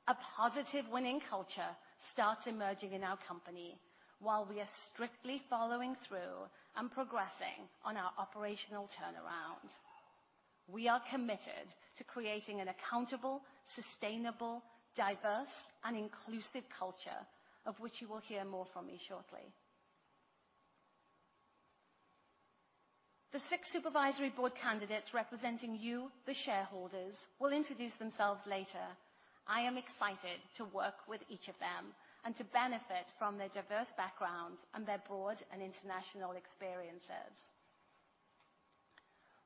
A positive winning culture starts emerging in our company, while we are strictly following through and progressing on our operational turnaround. We are committed to creating an accountable, sustainable, diverse, and inclusive culture, of which you will hear more from me shortly. The six supervisory board candidates representing you, the shareholders, will introduce themselves later. I am excited to work with each of them and to benefit from their diverse backgrounds and their broad and international experiences.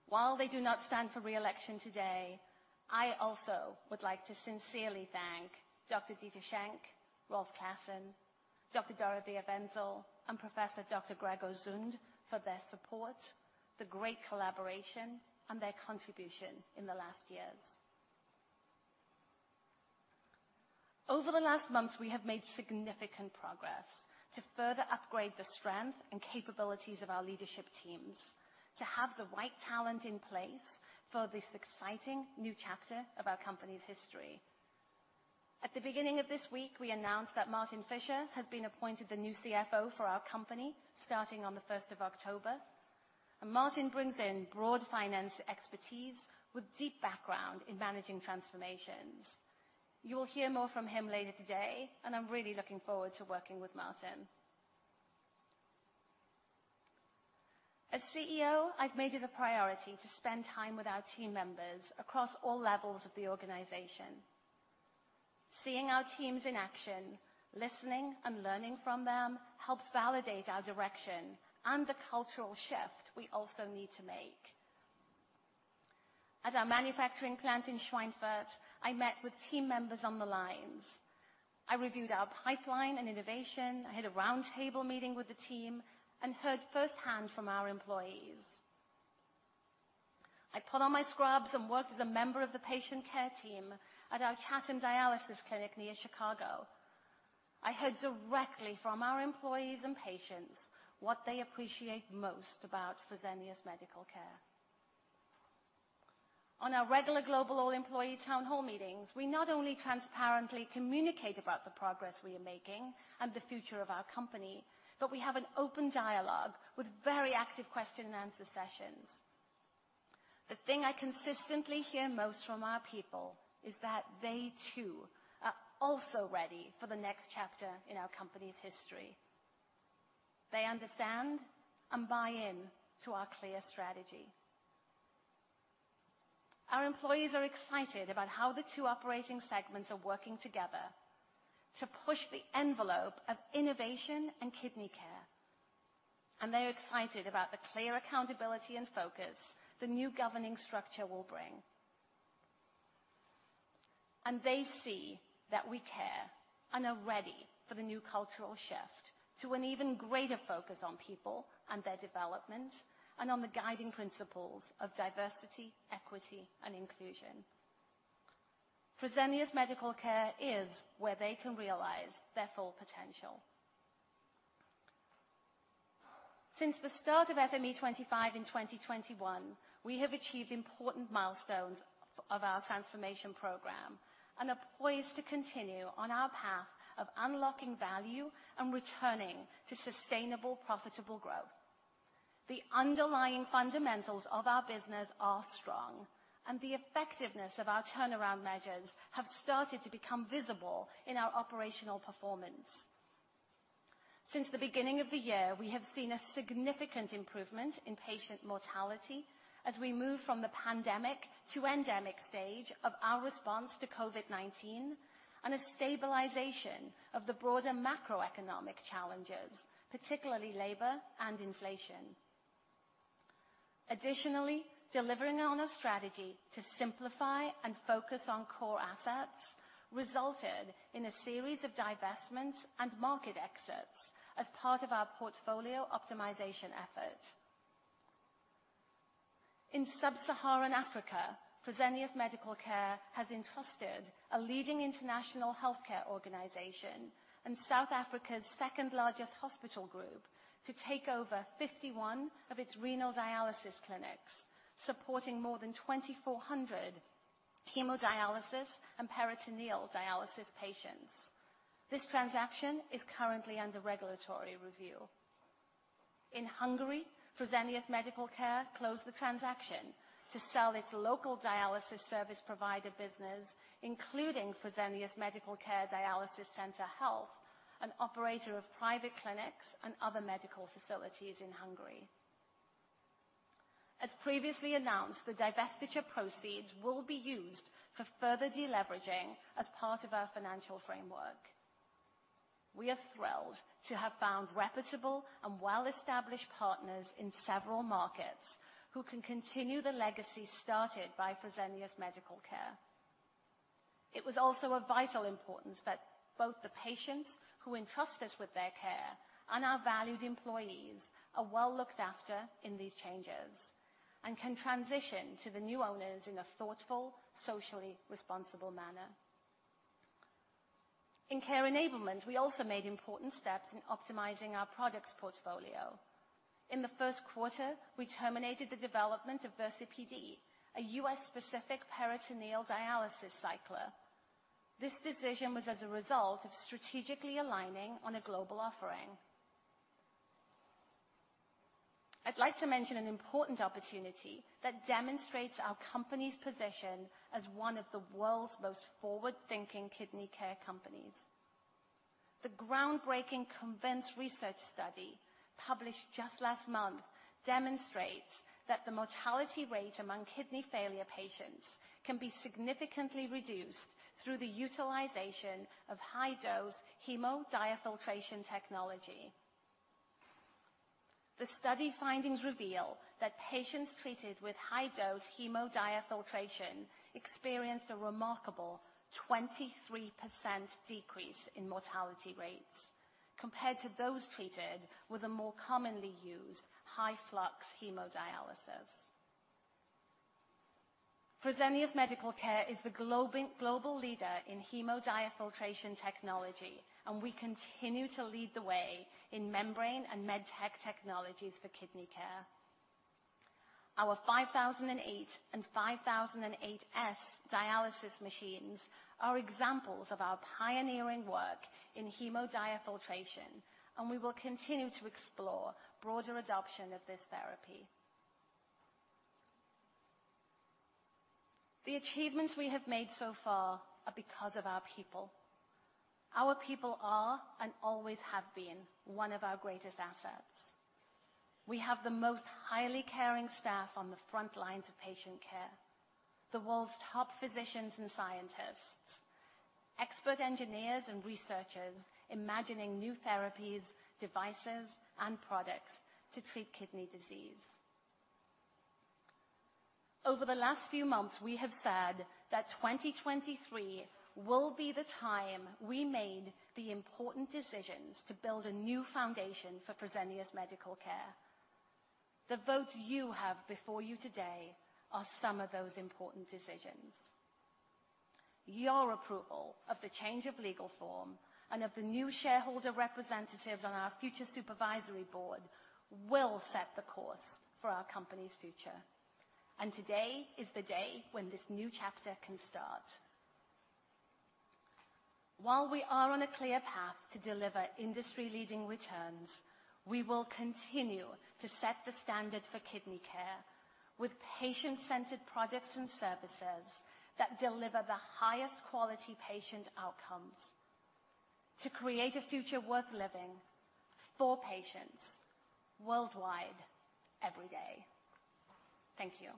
While they do not stand for re-election today, I also would like to sincerely thank Dr. Dieter Schenk, Rolf Classon, Dr. Dorothea Wenzel, and Professor Dr. Gregor Zünd for their support, the great collaboration, and their contribution in the last years. Over the last months, we have made significant progress to further upgrade the strength and capabilities of our leadership teams to have the right talent in place for this exciting new chapter of our company's history. At the beginning of this week, we announced that Martin Fischer has been appointed the new CFO for our company, starting on the 1st of October. Martin brings in broad finance expertise with deep background in managing transformations. You will hear more from him later today, and I'm really looking forward to working with Martin. As CEO, I've made it a priority to spend time with our team members across all levels of the organization. Seeing our teams in action, listening and learning from them, helps validate our direction and the cultural shift we also need to make. At our manufacturing plant in Schweinfurt, I met with team members on the lines. I reviewed our pipeline and innovation. I had a roundtable meeting with the team and heard firsthand from our employees. I put on my scrubs and worked as a member of the patient care team at our Chatham Dialysis Clinic near Chicago. I heard directly from our employees and patients what they appreciate most about Fresenius Medical Care. On our regular global all-employee town hall meetings, we not only transparently communicate about the progress we are making and the future of our company, but we have an open dialogue with very active question and answer sessions. The thing I consistently hear most from our people, is that they, too, are also ready for the next chapter in our company's history. They understand and buy in to our clear strategy. Our employees are excited about how the two operating segments are working together to push the envelope of innovation and kidney care. They're excited about the clear accountability and focus the new governing structure will bring. They see that we care and are ready for the new cultural shift to an even greater focus on people and their development, and on the guiding principles of diversity, equity, and inclusion. Fresenius Medical Care is where they can realize their full potential. Since the start of FME25 in 2021, we have achieved important milestones of our transformation program and are poised to continue on our path of unlocking value and returning to sustainable, profitable growth. The underlying fundamentals of our business are strong. The effectiveness of our turnaround measures have started to become visible in our operational performance. Since the beginning of the year, we have seen a significant improvement in patient mortality as we move from the pandemic to endemic stage of our response to COVID-19, and a stabilization of the broader macroeconomic challenges, particularly labor and inflation. Additionally, delivering on our strategy to simplify and focus on core assets resulted in a series of divestments and market exits as part of our portfolio optimization efforts. In sub-Saharan Africa, Fresenius Medical Care has entrusted a leading international healthcare organization and South Africa's second-largest hospital group to take over 51 of its renal dialysis clinics, supporting more than 2,400 hemodialysis and peritoneal dialysis patients. This transaction is currently under regulatory review. In Hungary, Fresenius Medical Care closed the transaction to sell its local dialysis service provider business, including Fresenius Medical Care Dialysis Center Health, an operator of private clinics and other medical facilities in Hungary. As previously announced, the divestiture proceeds will be used for further deleveraging as part of our financial framework. We are thrilled to have found reputable and well-established partners in several markets who can continue the legacy started by Fresenius Medical Care. It was also of vital importance that both the patients who entrust us with their care and our valued employees are well looked after in these changes and can transition to the new owners in a thoughtful, socially responsible manner. In Care Enablement, we also made important steps in optimizing our products portfolio. In the first quarter, we terminated the development of Versa PD, a U.S.-specific peritoneal dialysis cycler. This decision was as a result of strategically aligning on a global offering. I'd like to mention an important opportunity that demonstrates our company's position as one of the world's most forward-thinking kidney care companies. The groundbreaking CONVINCE research study, published just last month, demonstrates that the mortality rate among kidney failure patients can be significantly reduced through the utilization of high-dose hemodiafiltration technology. The study findings reveal that patients treated with high-dose hemodiafiltration experienced a remarkable 23% decrease in mortality rates compared to those treated with a more commonly used high-flux hemodialysis. Fresenius Medical Care is the global leader in hemodiafiltration technology, and we continue to lead the way in membrane and med tech technologies for kidney care. Our 5008 and 5008S dialysis machines are examples of our pioneering work in hemodiafiltration, and we will continue to explore broader adoption of this therapy. The achievements we have made so far are because of our people. Our people are, and always have been, one of our greatest assets. We have the most highly caring staff on the front lines of patient care, the world's top physicians and scientists, expert engineers and researchers imagining new therapies, devices, and products to treat kidney disease. Over the last few months, we have said that 2023 will be the time we made the important decisions to build a new foundation for Fresenius Medical Care. The votes you have before you today are some of those important decisions. Your approval of the change of legal form and of the new shareholder representatives on our future supervisory board will set the course for our company's future. Today is the day when this new chapter can start. While we are on a clear path to deliver industry-leading returns, we will continue to set the standard for kidney care with patient-centered products and services that deliver the highest quality patient outcomes to create a future worth living for patients worldwide, every day. Thank you.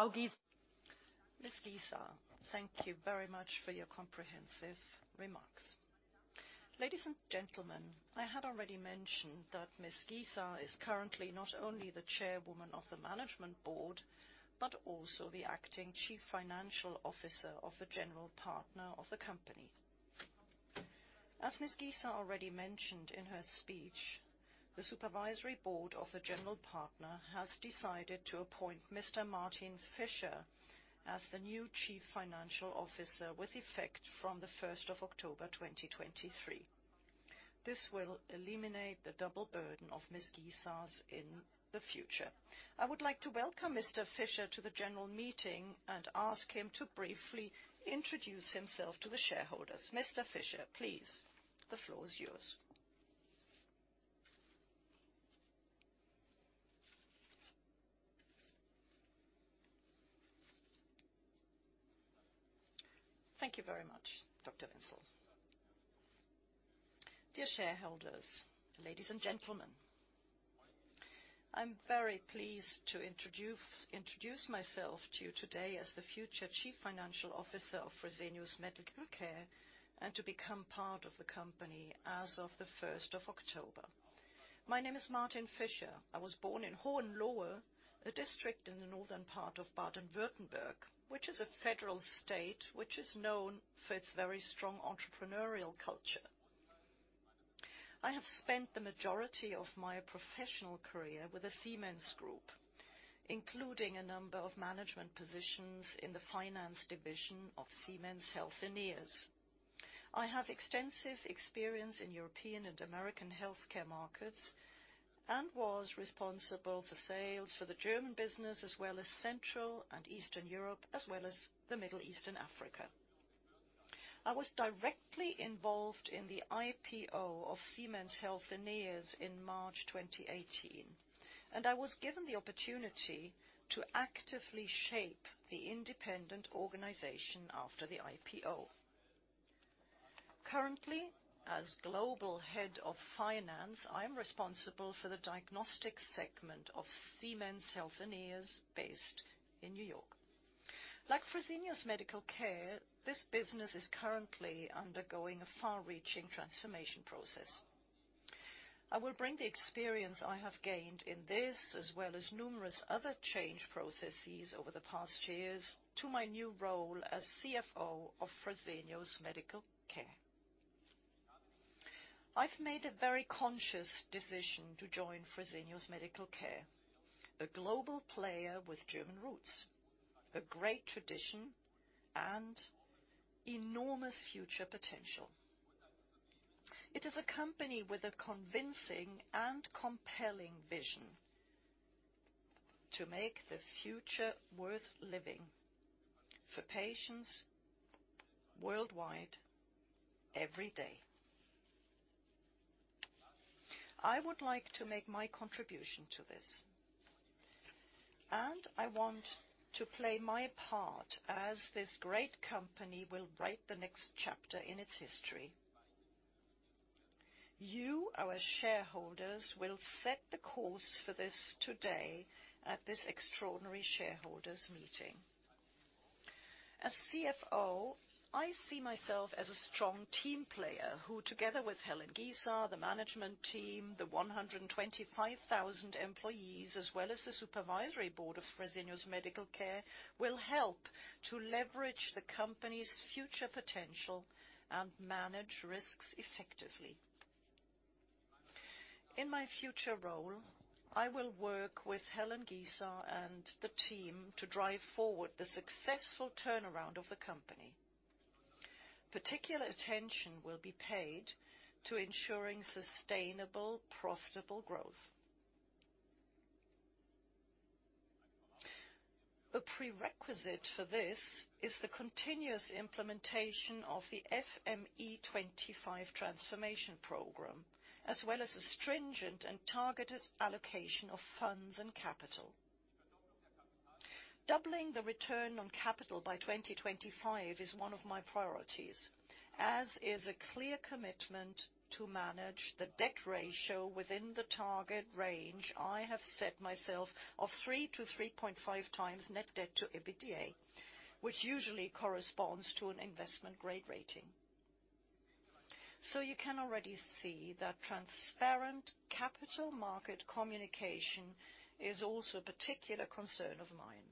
Ms. Giza, thank you very much for your comprehensive remarks. Ladies and gentlemen, I had already mentioned that Ms. Giza is currently not only the Chairwoman of the Management Board, but also the acting Chief Financial Officer of the general partner of the company. As Ms. Giza already mentioned in her speech, the supervisory board of the general partner has decided to appoint Mr. Martin Fischer as the new Chief Financial Officer, with effect from the 1st of October, 2023. This will eliminate the double burden of Ms. Giza in the future. I would like to welcome Mr. Fischer to the general meeting and ask him to briefly introduce himself to the shareholders. Mr. Fischer, please, the floor is yours. Thank you very much, Dr. Wenzel. Dear shareholders, ladies and gentlemen, I'm very pleased to introduce myself to you today as the future Chief Financial Officer of Fresenius Medical Care, and to become part of the company as of the 1st of October. My name is Martin Fischer. I was born in Hohenlohe, a district in the northern part of Baden-Württemberg, which is a federal state, which is known for its very strong entrepreneurial culture. I have spent the majority of my professional career with the Siemens Group, including a number of management positions in the finance division of Siemens Healthineers. I have extensive experience in European and American healthcare markets, and was responsible for sales for the German business, as well as Central and Eastern Europe, as well as the Middle East and Africa. I was directly involved in the IPO of Siemens Healthineers in March 2018, and I was given the opportunity to actively shape the independent organization after the IPO. Currently, as Global Head of Finance, I am responsible for the diagnostics segment of Siemens Healthineers, based in New York. Like Fresenius Medical Care, this business is currently undergoing a far-reaching transformation process. I will bring the experience I have gained in this, as well as numerous other change processes over the past years, to my new role as CFO of Fresenius Medical Care. I've made a very conscious decision to join Fresenius Medical Care, a global player with German roots, a great tradition, and enormous future potential. It is a company with a convincing and compelling vision: to make the future worth living for patients worldwide, every day. I would like to make my contribution to this, and I want to play my part as this great company will write the next chapter in its history. You, our shareholders, will set the course for this today at this extraordinary shareholders meeting. As CFO, I see myself as a strong team player, who together with Helen Giza, the management team, the 125,000 employees, as well as the supervisory board of Fresenius Medical Care, will help to leverage the company's future potential and manage risks effectively. In my future role, I will work with Helen Giza and the team to drive forward the successful turnaround of the company. Particular attention will be paid to ensuring sustainable, profitable growth. A prerequisite for this is the continuous implementation of the FME25 transformation program, as well as a stringent and targeted allocation of funds and capital. Doubling the return on capital by 2025 is one of my priorities, as is a clear commitment to manage the debt ratio within the target range I have set myself of 3-3.5 times net debt to EBITDA, which usually corresponds to an investment grade rating. You can already see that transparent capital market communication is also a particular concern of mine.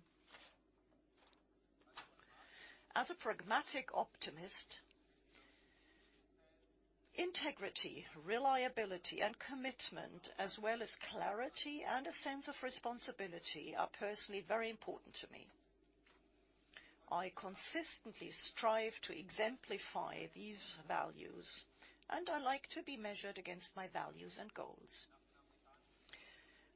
As a pragmatic optimist, integrity, reliability, and commitment, as well as clarity and a sense of responsibility, are personally very important to me. I consistently strive to exemplify these values, and I like to be measured against my values and goals.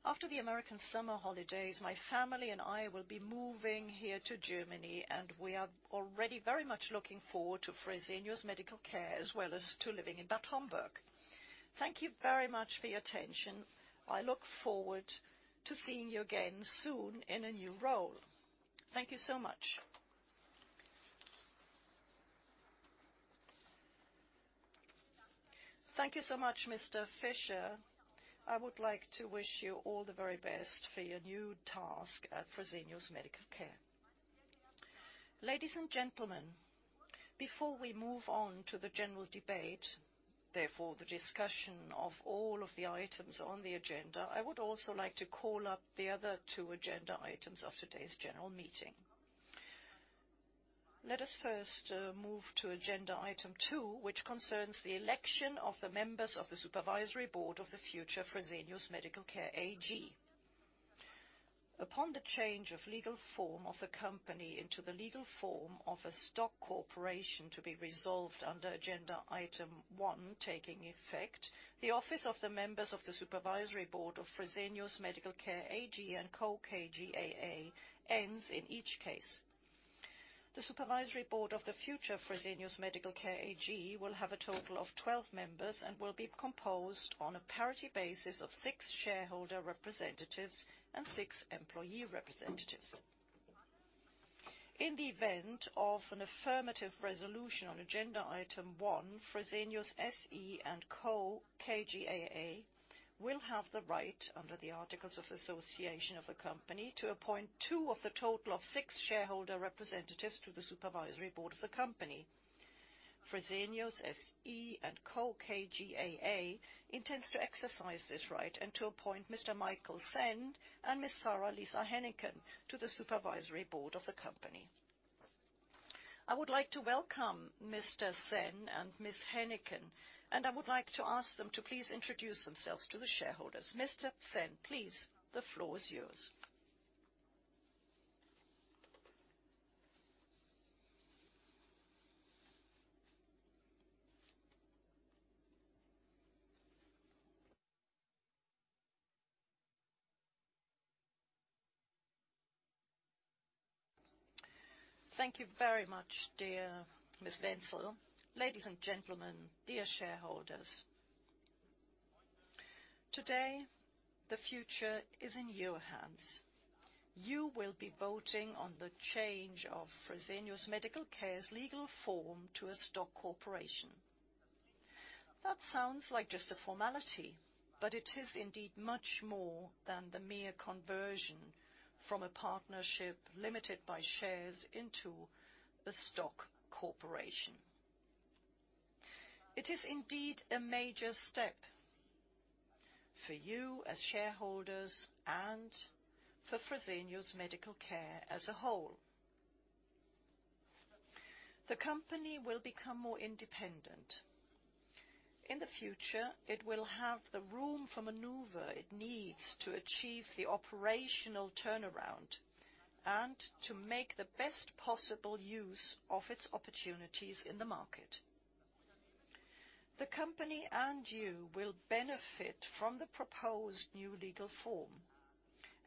After the American summer holidays, my family and I will be moving here to Germany, and we are already very much looking forward to Fresenius Medical Care, as well as to living in Bad Homburg. Thank you very much for your attention. I look forward to seeing you again soon in a new role. Thank you so much. Thank you so much, Mr. Fischer. I would like to wish you all the very best for your new task at Fresenius Medical Care. Ladies and gentlemen, before we move on to the general debate, therefore, the discussion of all of the items on the agenda, I would also like to call up the other two agenda items of today's general meeting. Let us first move to agenda item two, which concerns the election of the members of the supervisory board of the future Fresenius Medical Care AG. Upon the change of legal form of the company into the legal form of a stock corporation, to be resolved under agenda item one taking effect, the office of the members of the supervisory board of Fresenius Medical Care AG & Co KGaA ends in each case. The supervisory board of the future Fresenius Medical Care AG will have a total of 12 members, and will be composed on a parity basis of six shareholder representatives and six employee representatives. In the event of an affirmative resolution on agenda item one, Fresenius SE & Co KGaA will have the right, under the articles of association of the company, to appoint two of the total of six shareholder representatives to the supervisory board of the company. Fresenius SE & Co KGaA intends to exercise this right, and to appoint Mr. Michael Sen and Ms. Sara Lisa Hennicken to the supervisory board of the company. I would like to welcome Mr. Sen and Ms. Hennicken, and I would like to ask them to please introduce themselves to the shareholders. Mr. Sen, please, the floor is yours. Thank you very much, dear Ms. Wenzel. Ladies and gentlemen, dear shareholders, today, the future is in your hands. You will be voting on the change of Fresenius Medical Care's legal form to a stock corporation. That sounds like just a formality, but it is indeed much more than the mere conversion from a partnership limited by shares into a stock corporation. It is indeed a major step for you as shareholders and for Fresenius Medical Care as a whole. The company will become more independent. In the future, it will have the room for maneuver it needs to achieve the operational turnaround and to make the best possible use of its opportunities in the market. The company and you will benefit from the proposed new legal form,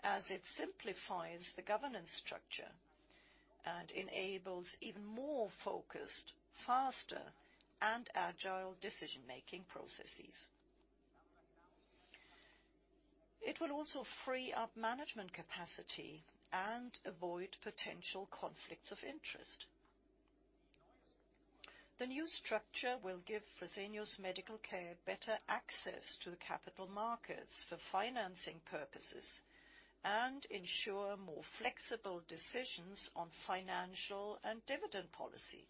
as it simplifies the governance structure and enables even more focused, faster, and agile decision-making processes. It will also free up management capacity and avoid potential conflicts of interest. The new structure will give Fresenius Medical Care better access to the capital markets for financing purposes and ensure more flexible decisions on financial and dividend policy.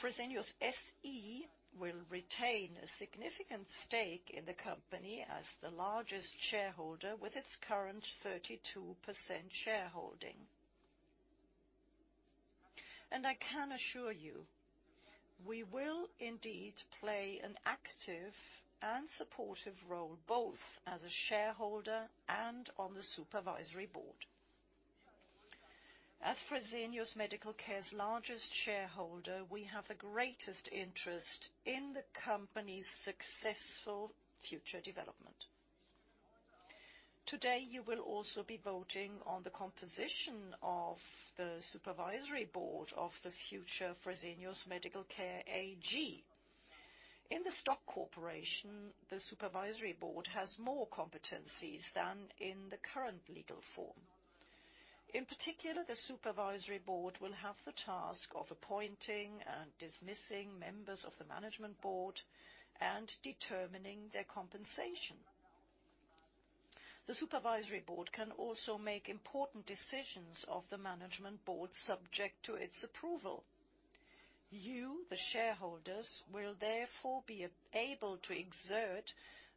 Fresenius SE will retain a significant stake in the company as the largest shareholder, with its current 32% shareholding. I can assure you, we will indeed play an active and supportive role, both as a shareholder and on the supervisory board. As Fresenius Medical Care's largest shareholder, we have the greatest interest in the company's successful future development. Today, you will also be voting on the composition of the supervisory board of the future Fresenius Medical Care AG. In the stock corporation, the supervisory board has more competencies than in the current legal form. In particular, the supervisory board will have the task of appointing and dismissing members of the management board and determining their compensation. The supervisory board can also make important decisions of the management board, subject to its approval. You, the shareholders, will therefore be able to exert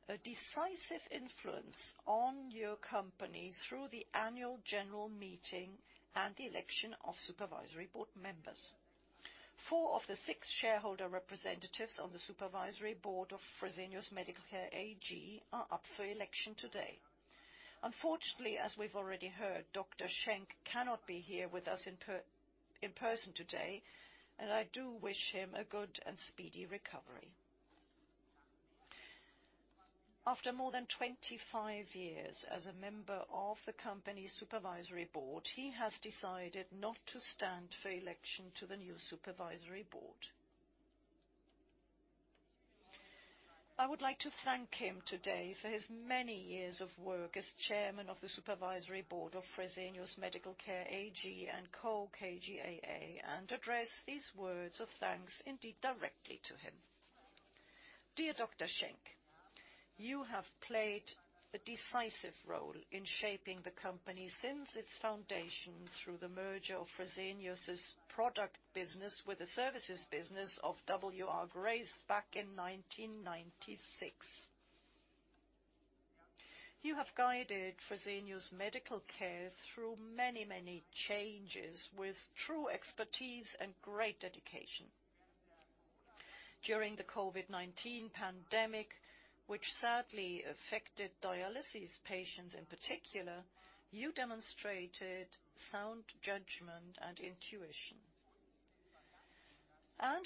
a decisive influence on your company through the annual general meeting and the election of supervisory board members. Four of the six shareholder representatives on the supervisory board of Fresenius Medical Care AG are up for election today. Unfortunately, as we've already heard, Dr. Schenk cannot be here with us in person today, and I do wish him a good and speedy recovery. After more than 25 years as a member of the company's supervisory board, he has decided not to stand for election to the new supervisory board. I would like to thank him today for his many years of work as Chairman of the Supervisory Board of Fresenius Medical Care AG & Co KGaA, address these words of thanks indeed directly to him. Dear Dr. Schenk, you have played a decisive role in shaping the company since its foundation through the merger of Fresenius' product business with the services business of W.R. Grace back in 1996. You have guided Fresenius Medical Care through many, many changes with true expertise and great dedication. During the COVID-19 pandemic, which sadly affected dialysis patients in particular, you demonstrated sound judgment and intuition.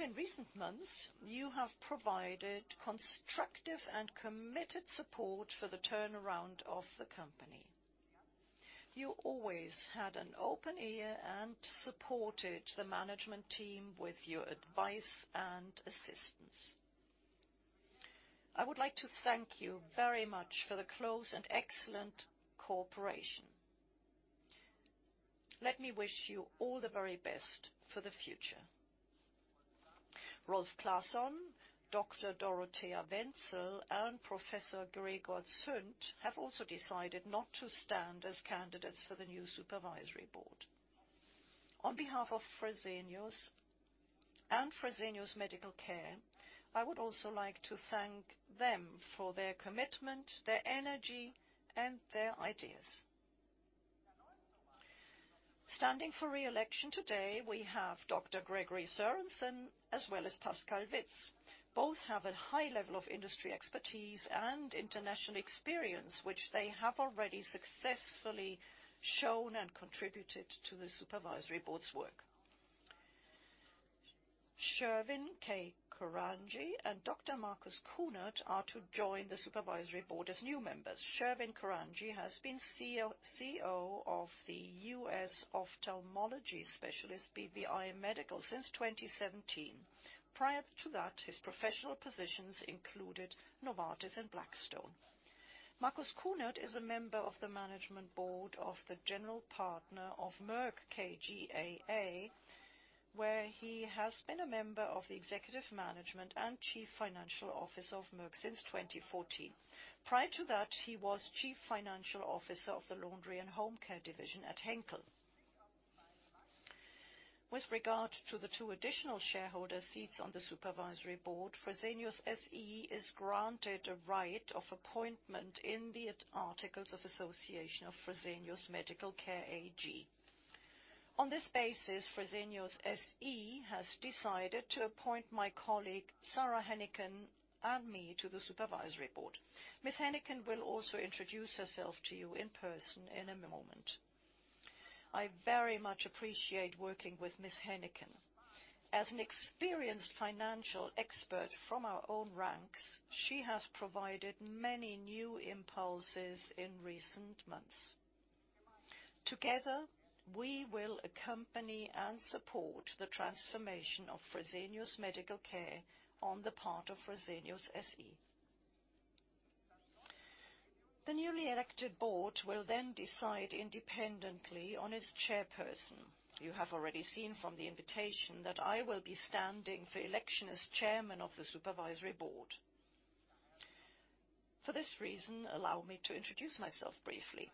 In recent months, you have provided constructive and committed support for the turnaround of the company. You always had an open ear and supported the management team with your advice and assistance. I would like to thank you very much for the close and excellent cooperation. Let me wish you all the very best for the future. Rolf Classon, Dr. Dorothea Wenzel, and Professor Gregor Zünd have also decided not to stand as candidates for the new supervisory board. On behalf of Fresenius and Fresenius Medical Care, I would also like to thank them for their commitment, their energy, and their ideas. Standing for re-election today, we have Dr. Gregory Sorensen, as well as Pascale Witz. Both have a high level of industry expertise and international experience, which they have already successfully shown and contributed to the supervisory board's work. Shervin J. Korangy and Dr. Marcus Kuhnert are to join the supervisory board as new members. Shervin Korangy has been CEO of the US Ophthalmology specialist BVI Medical since 2017. Prior to that, his professional positions included Novartis and Blackstone. Marcus Kuhnert is a member of the Management Board of the general partner of Merck KGaA, where he has been a member of the Executive Management and Chief Financial Officer of Merck since 2014. Prior to that, he was Chief Financial Officer of the Laundry and Home Care division at Henkel. With regard to the two additional shareholder seats on the Supervisory Board, Fresenius SE is granted a right of appointment in the Articles of Association of Fresenius Medical Care AG. On this basis, Fresenius SE has decided to appoint my colleague, Sara Hennicken, and me to the Supervisory Board. Ms. Hennicken will also introduce herself to you in person in a moment. I very much appreciate working with Ms. Hennicken. As an experienced financial expert from our own ranks, she has provided many new impulses in recent months. We will accompany and support the transformation of Fresenius Medical Care on the part of Fresenius SE. The newly elected board will decide independently on its chairperson. You have already seen from the invitation that I will be standing for election as Chairman of the Supervisory Board. For this reason, allow me to introduce myself briefly.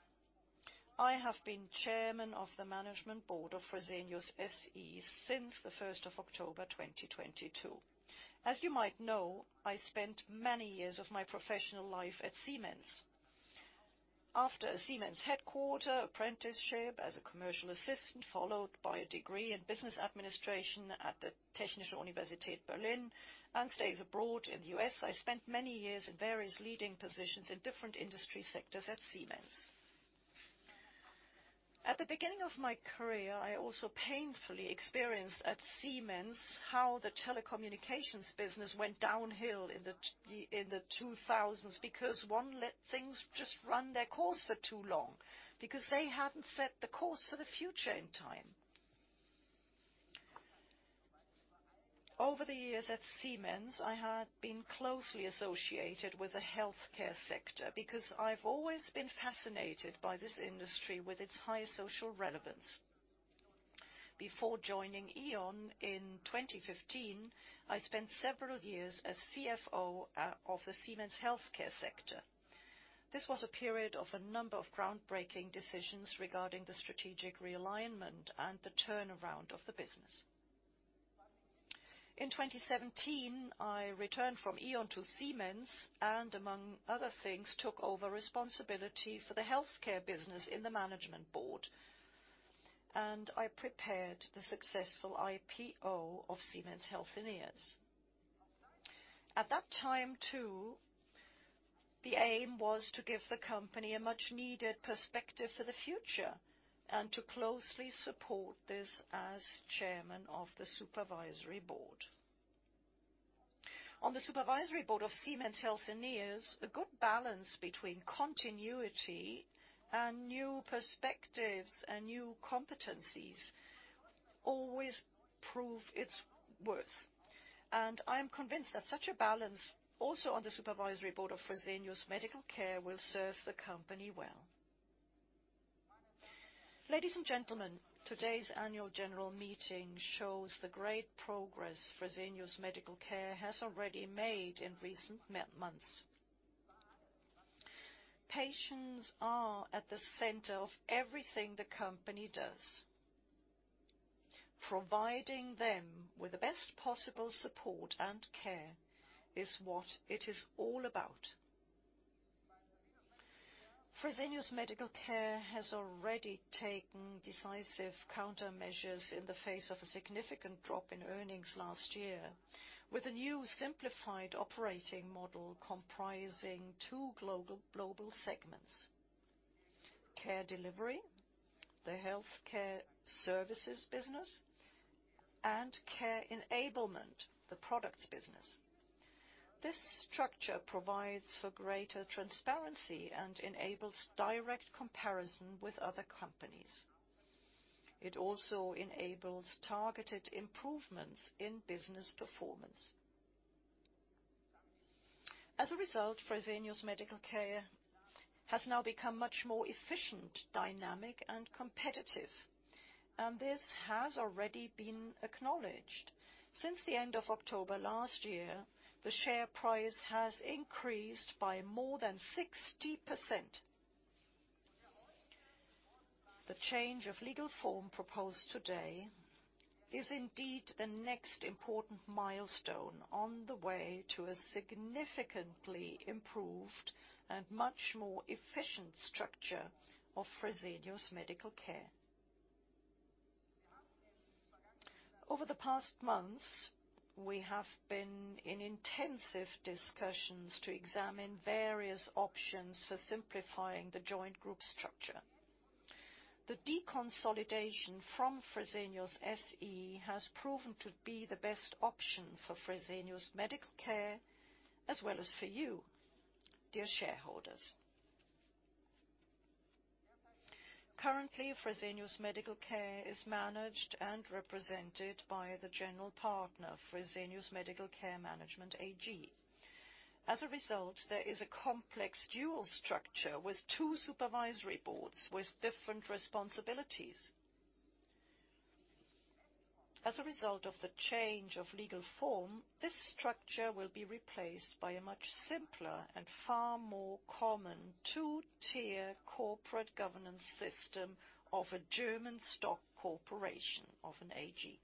I have been Chairman of the Management Board of Fresenius SE since the 1st of October, 2022. As you might know, I spent many years of my professional life at Siemens. After a Siemens headquarter apprenticeship as a commercial assistant, followed by a degree in business administration at the Technische Universität Berlin, and stays abroad in the U.S., I spent many years in various leading positions in different industry sectors at Siemens. At the beginning of my career, I also painfully experienced at Siemens how the telecommunications business went downhill in the 2000s, because one let things just run their course for too long, because they hadn't set the course for the future in time. Over the years at Siemens, I had been closely associated with the healthcare sector because I've always been fascinated by this industry with its high social relevance. Before joining E.ON in 2015, I spent several years as CFO of the Siemens healthcare sector. This was a period of a number of groundbreaking decisions regarding the strategic realignment and the turnaround of the business. In 2017, I returned from E.ON to Siemens and among other things, took over responsibility for the healthcare business in the management board, and I prepared the successful IPO of Siemens Healthineers. At that time, too, the aim was to give the company a much-needed perspective for the future and to closely support this as chairman of the supervisory board. On the supervisory board of Siemens Healthineers, a good balance between continuity and new perspectives and new competencies always prove its worth. I am convinced that such a balance, also on the supervisory board of Fresenius Medical Care, will serve the company well. Ladies and gentlemen, today's annual general meeting shows the great progress Fresenius Medical Care has already made in recent months. Patients are at the center of everything the company does. Providing them with the best possible support and care is what it is all about. Fresenius Medical Care has already taken decisive countermeasures in the face of a significant drop in earnings last year, with a new simplified operating model comprising two global segments. Care Delivery, the healthcare services business, and Care Enablement, the products business. This structure provides for greater transparency and enables direct comparison with other companies. It also enables targeted improvements in business performance. As a result, Fresenius Medical Care has now become much more efficient, dynamic, and competitive, and this has already been acknowledged. Since the end of October last year, the share price has increased by more than 60%. The change of legal form proposed today is indeed the next important milestone on the way to a significantly improved and much more efficient structure of Fresenius Medical Care. Over the past months, we have been in intensive discussions to examine various options for simplifying the joint group structure. The deconsolidation from Fresenius SE has proven to be the best option for Fresenius Medical Care, as well as for you, dear shareholders. Currently, Fresenius Medical Care is managed and represented by the general partner, Fresenius Medical Care Management AG. As a result, there is a complex dual structure with two supervisory boards with different responsibilities. As a result of the change of legal form, this structure will be replaced by a much simpler and far more common two-tier corporate governance system of a German stock corporation, of an AG.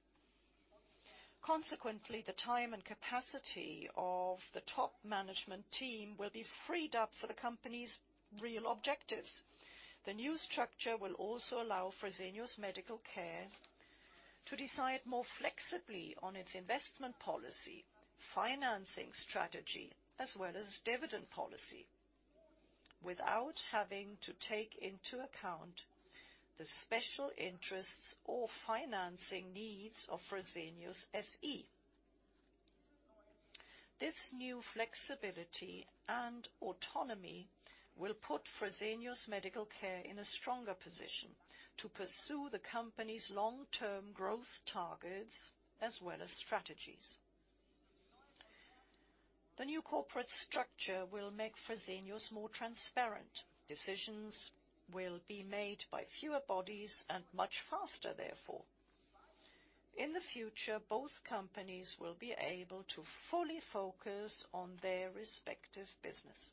Consequently, the time and capacity of the top management team will be freed up for the company's real objectives. The new structure will also allow Fresenius Medical Care to decide more flexibly on its investment policy, financing strategy, as well as dividend policy, without having to take into account the special interests or financing needs of Fresenius SE. This new flexibility and autonomy will put Fresenius Medical Care in a stronger position to pursue the company's long-term growth targets as well as strategies. The new corporate structure will make Fresenius more transparent. Decisions will be made by fewer bodies and much faster, therefore. In the future, both companies will be able to fully focus on their respective business.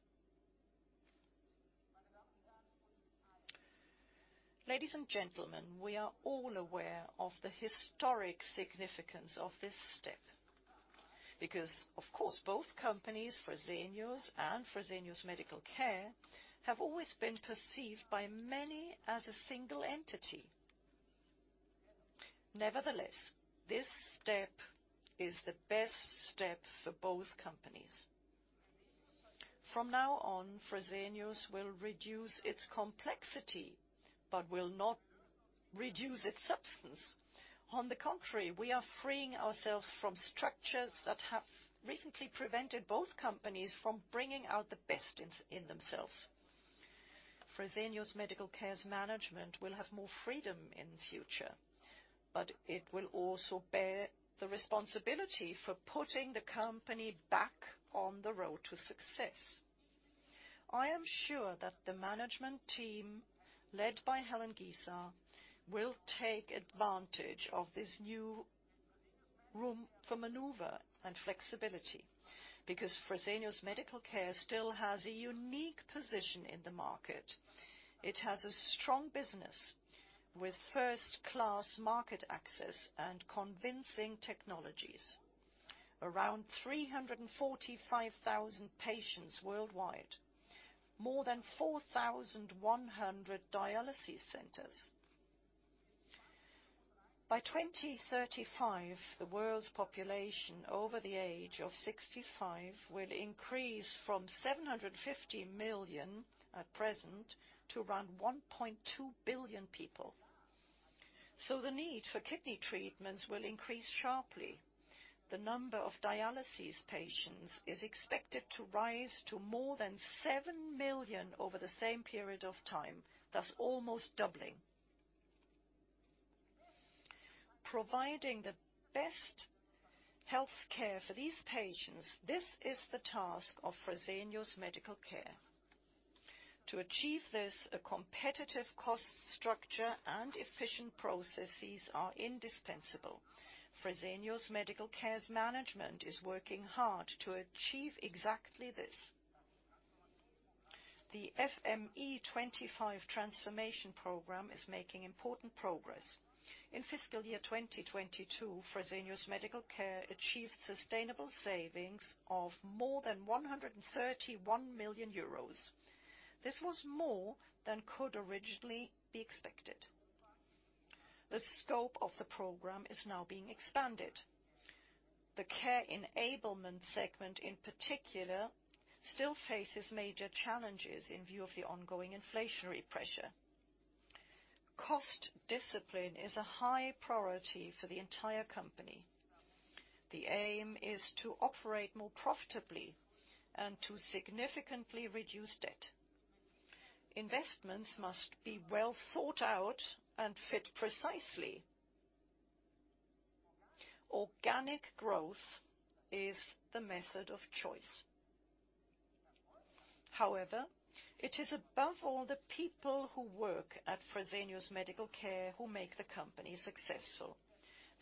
Ladies and gentlemen, we are all aware of the historic significance of this step, because, of course, both companies, Fresenius and Fresenius Medical Care, have always been perceived by many as a single entity. This step is the best step for both companies. From now on, Fresenius will reduce its complexity, but will not reduce its substance. On the contrary, we are freeing ourselves from structures that have recently prevented both companies from bringing out the best in themselves. Fresenius Medical Care's management will have more freedom in the future, but it will also bear the responsibility for putting the company back on the road to success. I am sure that the management team, led by Helen Giza, will take advantage of this new room for maneuver and flexibility, because Fresenius Medical Care still has a unique position in the market. It has a strong business with first-class market access and convincing technologies. Around 345,000 patients worldwide, more than 4,100 dialysis centers. By 2035, the world's population over the age of 65 will increase from 750 million at present, to around 1.2 billion people, so the need for kidney treatments will increase sharply. The number of dialysis patients is expected to rise to more than 7 million over the same period of time, thus almost doubling. Providing the best healthcare for these patients, this is the task of Fresenius Medical Care. To achieve this, a competitive cost structure and efficient processes are indispensable. Fresenius Medical Care's management is working hard to achieve exactly this. The FME25 transformation program is making important progress. In fiscal year 2022, Fresenius Medical Care achieved sustainable savings of more than 131 million euros. This was more than could originally be expected. The scope of the program is now being expanded. The Care Enablement segment, in particular, still faces major challenges in view of the ongoing inflationary pressure. Cost discipline is a high priority for the entire company. The aim is to operate more profitably and to significantly reduce debt. Investments must be well thought out and fit precisely. Organic growth is the method of choice. It is above all the people who work at Fresenius Medical Care, who make the company successful.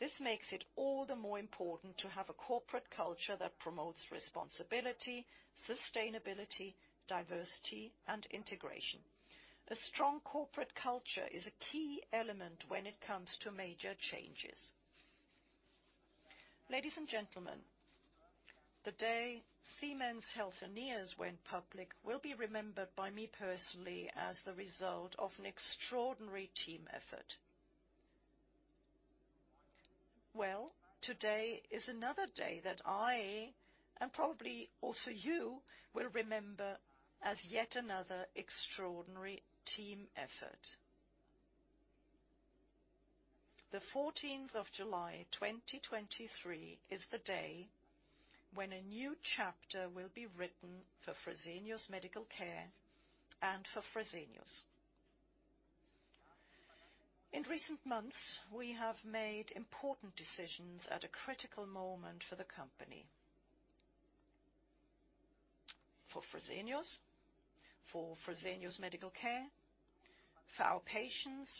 This makes it all the more important to have a corporate culture that promotes responsibility, sustainability, diversity, and integration. A strong corporate culture is a key element when it comes to major changes. Ladies and gentlemen, the day Siemens Healthineers went public, will be remembered by me personally, as the result of an extraordinary team effort. Well, today is another day that I, and probably also you, will remember as yet another extraordinary team effort. The 14th of July, 2023, is the day when a new chapter will be written for Fresenius Medical Care and for Fresenius. In recent months, we have made important decisions at a critical moment for the company. For Fresenius, for Fresenius Medical Care, for our patients,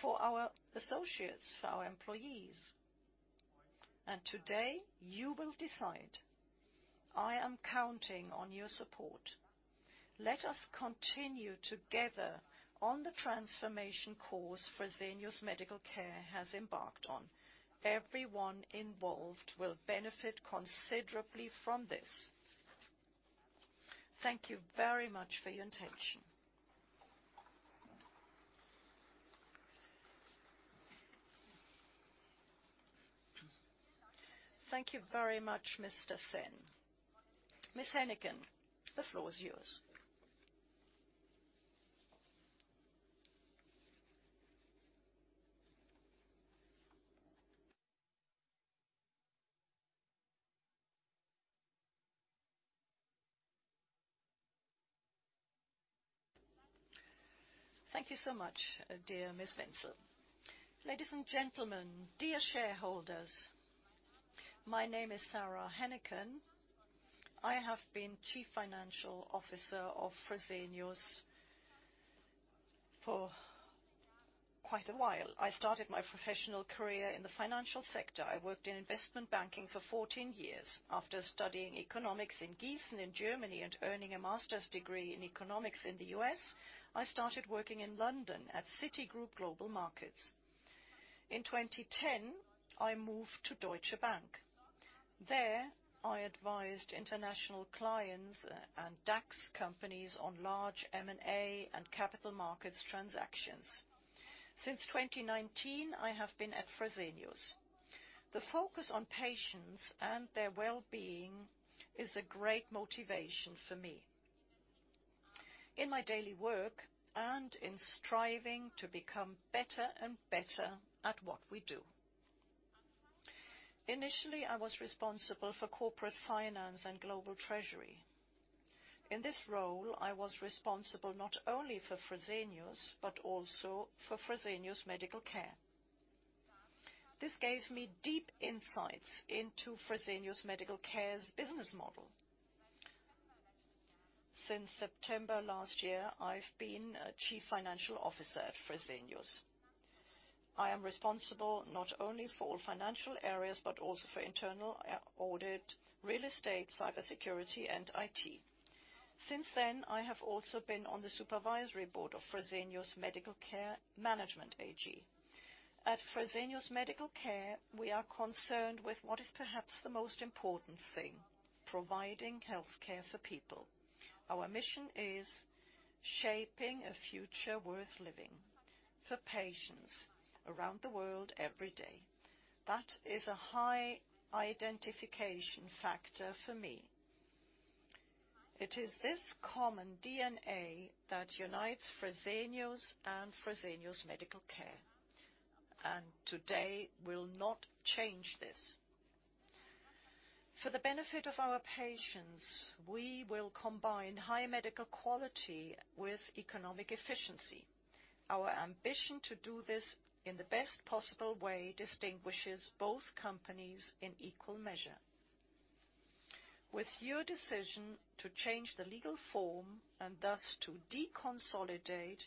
for our associates, for our employees, today you will decide. I am counting on your support. Let us continue together on the transformation course Fresenius Medical Care has embarked on. Everyone involved will benefit considerably from this. Thank you very much for your attention. Thank you very much, Mr. Sen. Ms. Hennicken, the floor is yours. Thank you so much, dear Ms. Wenzel. Ladies and gentlemen, dear shareholders, my name is Sara Hennicken. I have been Chief Financial Officer of Fresenius for quite a while. I started my professional career in the financial sector. I worked in investment banking for 14 years. After studying economics in Giessen, in Germany, and earning a master's degree in economics in the US, I started working in London at Citigroup Global Markets. In 2010, I moved to Deutsche Bank. There, I advised international clients and DAX companies on large M&A and capital markets transactions. Since 2019, I have been at Fresenius. The focus on patients and their well-being is a great motivation for me in my daily work and in striving to become better and better at what we do. Initially, I was responsible for corporate finance and global treasury. In this role, I was responsible not only for Fresenius, but also for Fresenius Medical Care. This gave me deep insights into Fresenius Medical Care's business model. Since September last year, I've been Chief Financial Officer at Fresenius. I am responsible not only for all financial areas, but also for internal audit, real estate, cybersecurity, and IT. Since then, I have also been on the supervisory board of Fresenius Medical Care Management AG. At Fresenius Medical Care, we are concerned with what is perhaps the most important thing, providing healthcare for people. Our mission is shaping a future worth living for patients around the world, every day. That is a high identification factor for me. It is this common DNA that unites Fresenius and Fresenius Medical Care. Today will not change this. For the benefit of our patients, we will combine high medical quality with economic efficiency. Our ambition to do this in the best possible way distinguishes both companies in equal measure. With your decision to change the legal form and thus to deconsolidate,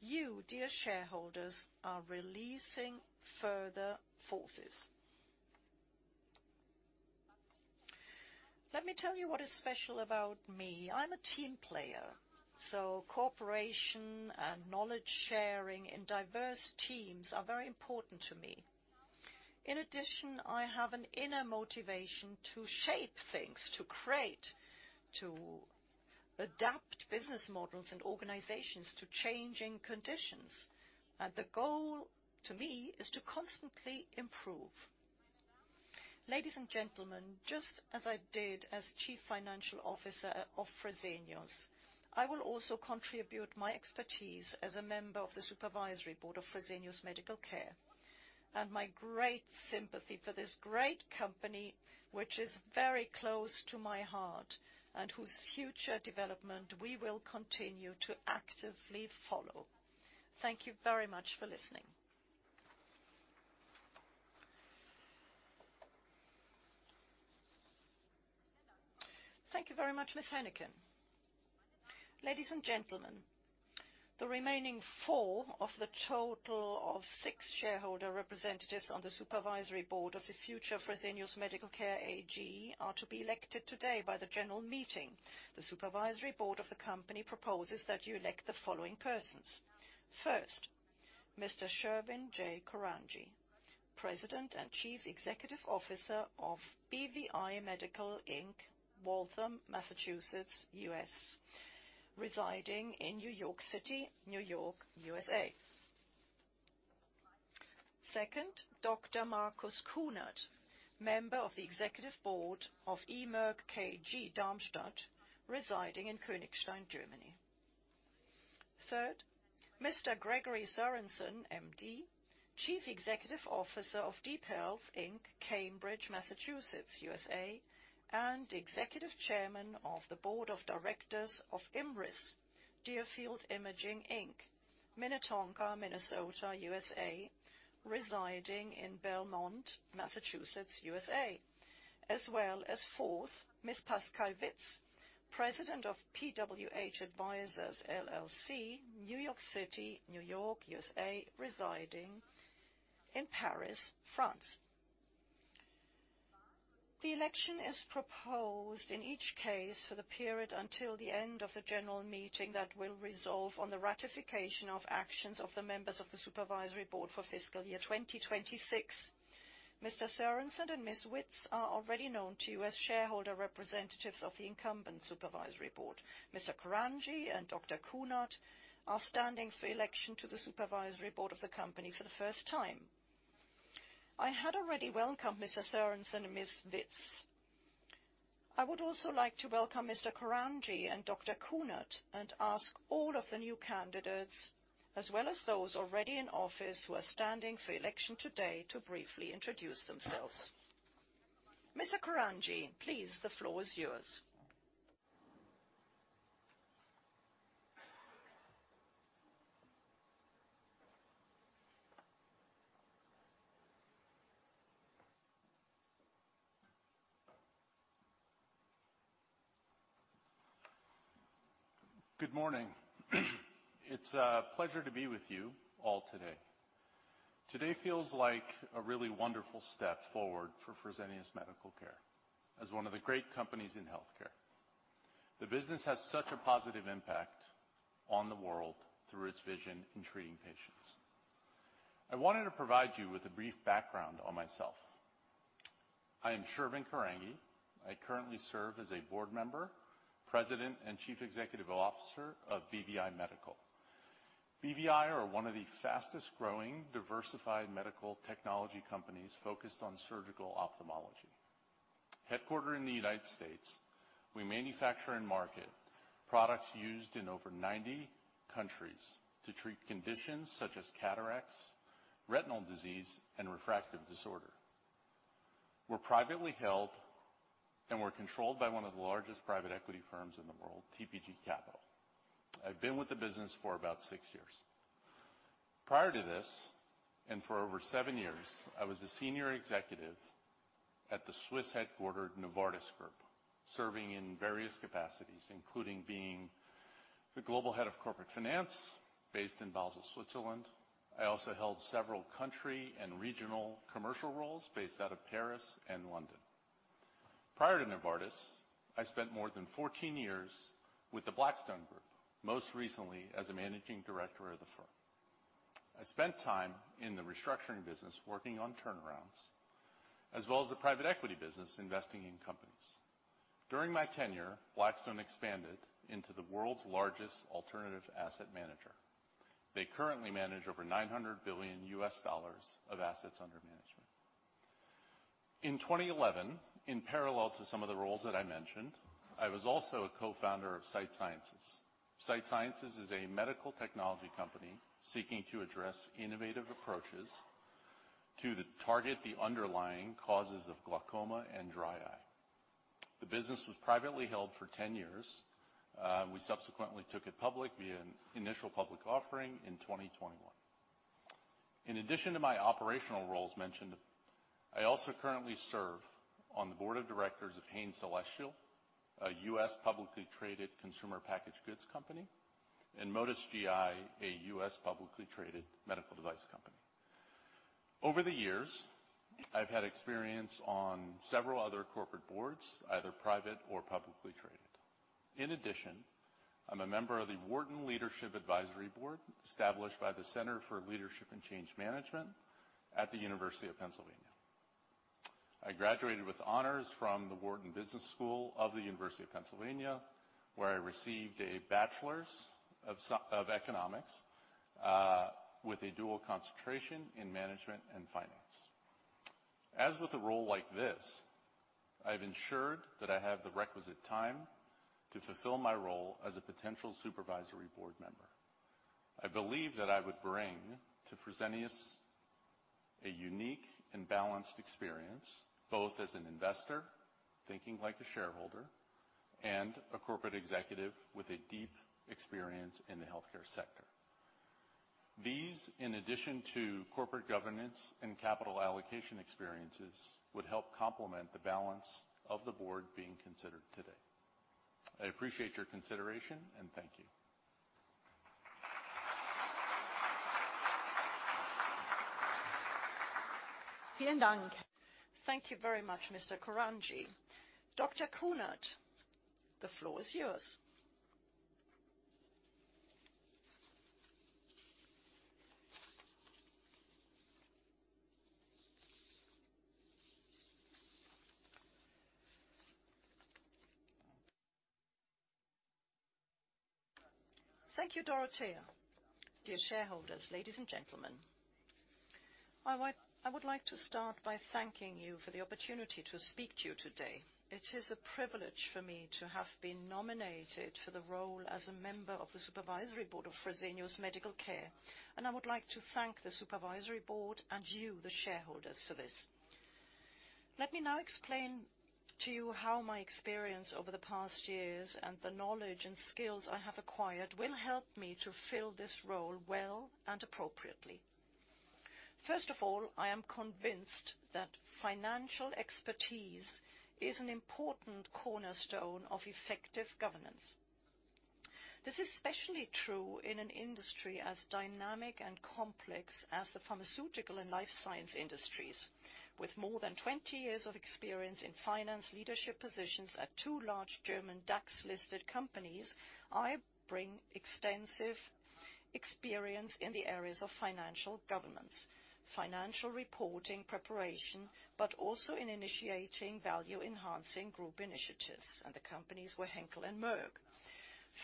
you, dear shareholders, are releasing further forces. Let me tell you what is special about me. I'm a team player, so cooperation and knowledge sharing in diverse teams are very important to me. In addition, I have an inner motivation to shape things, to create, to adapt business models and organizations to changing conditions, and the goal to me is to constantly improve. Ladies and gentlemen, just as I did as Chief Financial Officer of Fresenius, I will also contribute my expertise as a member of the supervisory board of Fresenius Medical Care, and my great sympathy for this great company, which is very close to my heart and whose future development we will continue to actively follow. Thank you very much for listening. Thank you very much, Ms. Hennicken. Ladies and gentlemen, the remaining four of the total of six shareholder representatives on the supervisory board of the future Fresenius Medical Care AG are to be elected today by the general meeting. The supervisory board of the company proposes that you elect the following persons. First, Mr. Shervin J. Korangy, President and Chief Executive Officer of BVI Medical, Inc, Waltham, Massachusetts, US, residing in New York City, New York, USA. Second, Dr. Marcus Kuhnert, member of the Executive Board of E. Merck KG, Darmstadt, residing in Königstein, Germany. Third, Mr. Gregory Sorensen, MD, Chief Executive Officer of DeepHealth Inc, Cambridge Massachusetts, USA, and Executive Chairman of the Board of Directors of IMRIS, Deerfield Imaging Inc, Minnetonka, Minnesota, USA, residing in Belmont, Massachusetts, USA. Fourth, Ms. Pascale Witz, President of PWH Advisors LLC, New York City, New York, USA, residing in Paris, France. The election is proposed in each case for the period until the end of the general meeting that will resolve on the ratification of actions of the members of the Supervisory Board for fiscal year 2026. Mr. Sorensen and Ms. Witz are already known to you as shareholder representatives of the incumbent Supervisory Board. Mr. Korangy and Dr. Kuhnert are standing for election to the Supervisory Board of the company for the first time. I had already welcomed Mr. Sorensen and Ms. Witz. I would also like to welcome Mr. Korangy and Dr. Kuhnert, and ask all of the new candidates, as well as those already in office who are standing for election today, to briefly introduce themselves. Mr. Korangy, please, the floor is yours. Good morning. It's a pleasure to be with you all today. Today feels like a really wonderful step forward for Fresenius Medical Care. As one of the great companies in healthcare, the business has such a positive impact on the world through its vision in treating patients. I wanted to provide you with a brief background on myself. I am Shervin Korangy. I currently serve as a board member, President, and Chief Executive Officer of BVI Medical. BVI are one of the fastest growing, diversified medical technology companies focused on surgical ophthalmology. Headquartered in the United States, we manufacture and market products used in over 90 countries to treat conditions such as cataracts, retinal disease, and refractive disorder. We're privately held, we're controlled by one of the largest private equity firms in the world, TPG Capital. I've been with the business for about six years. Prior to this, for over seven years, I was a senior executive at the Swiss-headquartered Novartis Group, serving in various capacities, including being the Global Head of Corporate Finance based in Basel, Switzerland. I also held several country and regional commercial roles based out of Paris and London. Prior to Novartis, I spent more than 14 years with The Blackstone Group, most recently as a managing director of the firm. I spent time in the restructuring business, working on turnarounds, as well as the private equity business, investing in companies. During my tenure, Blackstone expanded into the world's largest alternative asset manager. They currently manage over $900 billion of assets under management. In 2011, in parallel to some of the roles that I mentioned, I was also a co-founder of Sight Sciences. Sight Sciences is a medical technology company seeking to address innovative approaches to the target the underlying causes of glaucoma and dry eye. The business was privately held for 10 years. We subsequently took it public via an initial public offering in 2021. In addition to my operational roles mentioned, I also currently serve on the board of directors of Hain Celestial, a U.S. publicly traded consumer packaged goods company, and Modus GI, a U.S. publicly traded medical device company. Over the years, I've had experience on several other corporate boards, either private or publicly traded. In addition, I'm a member of the Wharton Leadership Advisory Board, established by the Center for Leadership and Change Management at the University of Pennsylvania. I graduated with honors from the Wharton Business School of the University of Pennsylvania, where I received a Bachelor's of Economics with a dual concentration in management and finance. As with a role like this, I've ensured that I have the requisite time to fulfill my role as a potential supervisory board member. I believe that I would bring to Fresenius a unique and balanced experience, both as an investor, thinking like a shareholder, and a corporate executive with a deep experience in the healthcare sector. These, in addition to corporate governance and capital allocation experiences, would help complement the balance of the board being considered today. I appreciate your consideration, and thank you. Thank you very much, Mr. Korangy. Dr. Kuhnert, the floor is yours. Thank you, Dorothea. Dear shareholders, ladies and gentlemen, I would like to start by thanking you for the opportunity to speak to you today. It is a privilege for me to have been nominated for the role as a member of the supervisory board of Fresenius Medical Care, and I would like to thank the supervisory board and you, the shareholders, for this. Let me now explain to you how my experience over the past years, and the knowledge and skills I have acquired, will help me to fill this role well and appropriately. First of all, I am convinced that financial expertise is an important cornerstone of effective governance. This is especially true in an industry as dynamic and complex as the pharmaceutical and life science industries. With more than 20 years of experience in finance leadership positions at two large German DAX-listed companies, I bring extensive experience in the areas of financial governance, financial reporting preparation, but also in initiating value-enhancing group initiatives, and the companies were Henkel and Merck.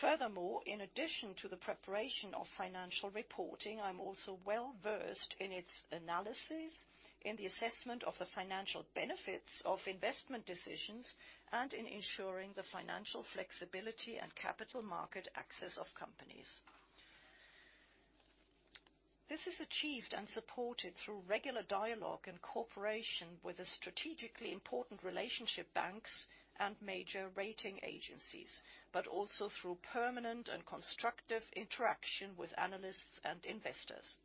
Furthermore, in addition to the preparation of financial reporting, I'm also well-versed in its analysis, in the assessment of the financial benefits of investment decisions, and in ensuring the financial flexibility and capital market access of companies. This is achieved and supported through regular dialogue and cooperation with the strategically important relationship banks and major rating agencies, but also through permanent and constructive interaction with analysts and investors.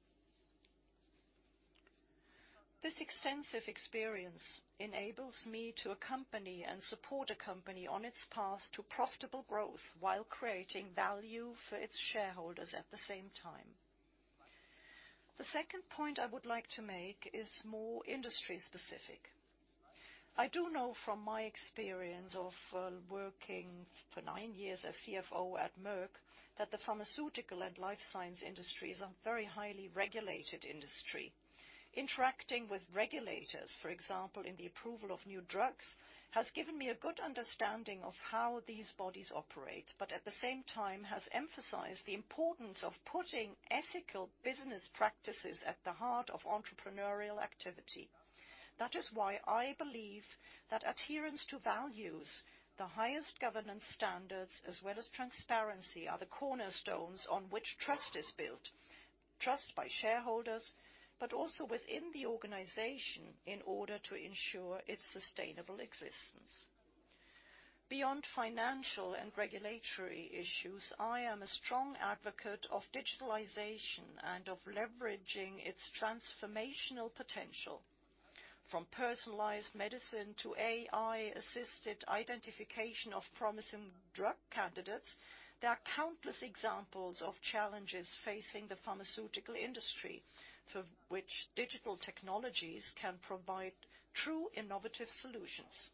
This extensive experience enables me to accompany and support a company on its path to profitable growth while creating value for its shareholders at the same time. The second point I would like to make is more industry specific. I do know from my experience of working for nine years as CFO at Merck, that the pharmaceutical and life science industries are a very highly regulated industry. Interacting with regulators, for example, in the approval of new drugs, has given me a good understanding of how these bodies operate, but at the same time has emphasized the importance of putting ethical business practices at the heart of entrepreneurial activity. That is why I believe that adherence to values, the highest governance standards, as well as transparency, are the cornerstones on which trust is built. Trust by shareholders, but also within the organization in order to ensure its sustainable existence. Beyond financial and regulatory issues, I am a strong advocate of digitalization and of leveraging its transformational potential. From personalized medicine to AI-assisted identification of promising drug candidates, there are countless examples of challenges facing the pharmaceutical industry, for which digital technologies can provide true innovative solutions.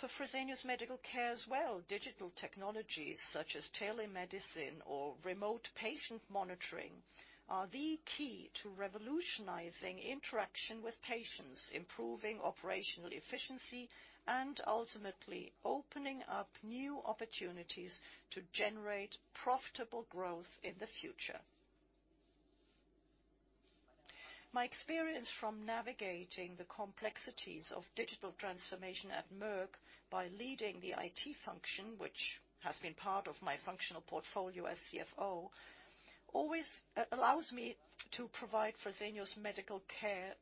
For Fresenius Medical Care as well, digital technologies such as telemedicine or remote patient monitoring, are the key to revolutionizing interaction with patients, improving operational efficiency, and ultimately opening up new opportunities to generate profitable growth in the future. My experience from navigating the complexities of digital transformation at Merck by leading the IT function, which has been part of my functional portfolio as CFO, always allows me to provide Fresenius Medical Care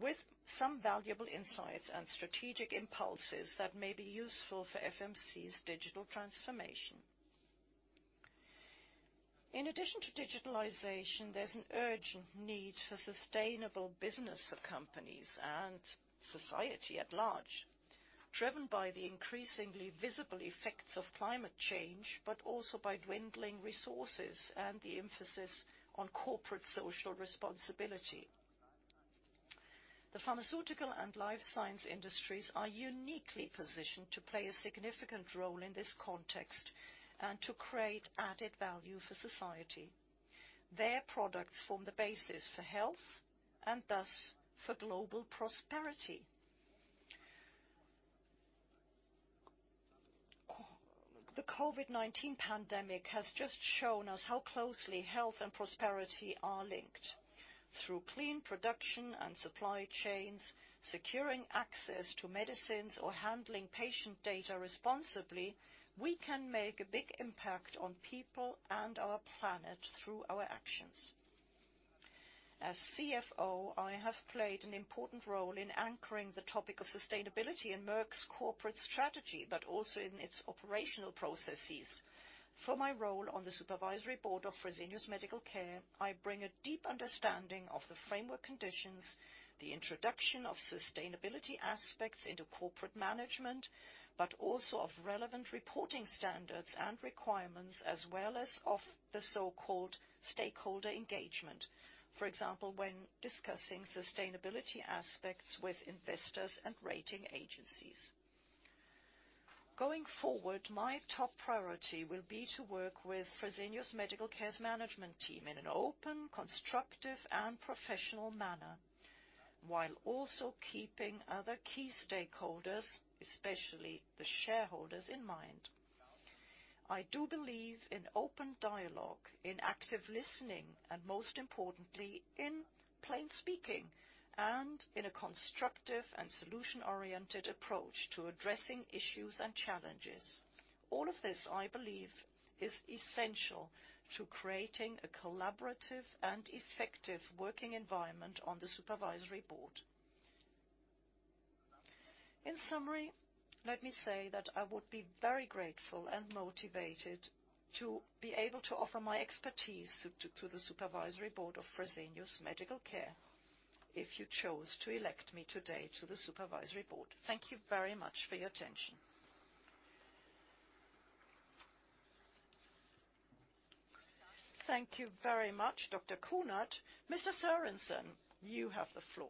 with some valuable insights and strategic impulses that may be useful for FMC's digital transformation. In addition to digitalization, there's an urgent need for sustainable business of companies and society at large, driven by the increasingly visible effects of climate change, but also by dwindling resources and the emphasis on corporate social responsibility. The pharmaceutical and life science industries are uniquely positioned to play a significant role in this context and to create added value for society. Their products form the basis for health and thus for global prosperity. The COVID-19 pandemic has just shown us how closely health and prosperity are linked. Through clean production and supply chains, securing access to medicines or handling patient data responsibly, we can make a big impact on people and our planet through our actions. As CFO, I have played an important role in anchoring the topic of sustainability in Merck's corporate strategy, but also in its operational processes. For my role on the supervisory board of Fresenius Medical Care, I bring a deep understanding of the framework conditions, the introduction of sustainability aspects into corporate management, but also of relevant reporting standards and requirements, as well as of the so-called stakeholder engagement. For example, when discussing sustainability aspects with investors and rating agencies. Going forward, my top priority will be to work with Fresenius Medical Care's management team in an open, constructive, and professional manner, while also keeping other key stakeholders, especially the shareholders, in mind. I do believe in open dialogue, in active listening, and most importantly, in plain speaking, and in a constructive and solution-oriented approach to addressing issues and challenges. All of this, I believe, is essential to creating a collaborative and effective working environment on the supervisory board. In summary, let me say that I would be very grateful and motivated to be able to offer my expertise to the supervisory board of Fresenius Medical Care, if you chose to elect me today to the supervisory board. Thank you very much for your attention. Thank you very much, Dr. Kuhnert. Mr. Sorensen, you have the floor.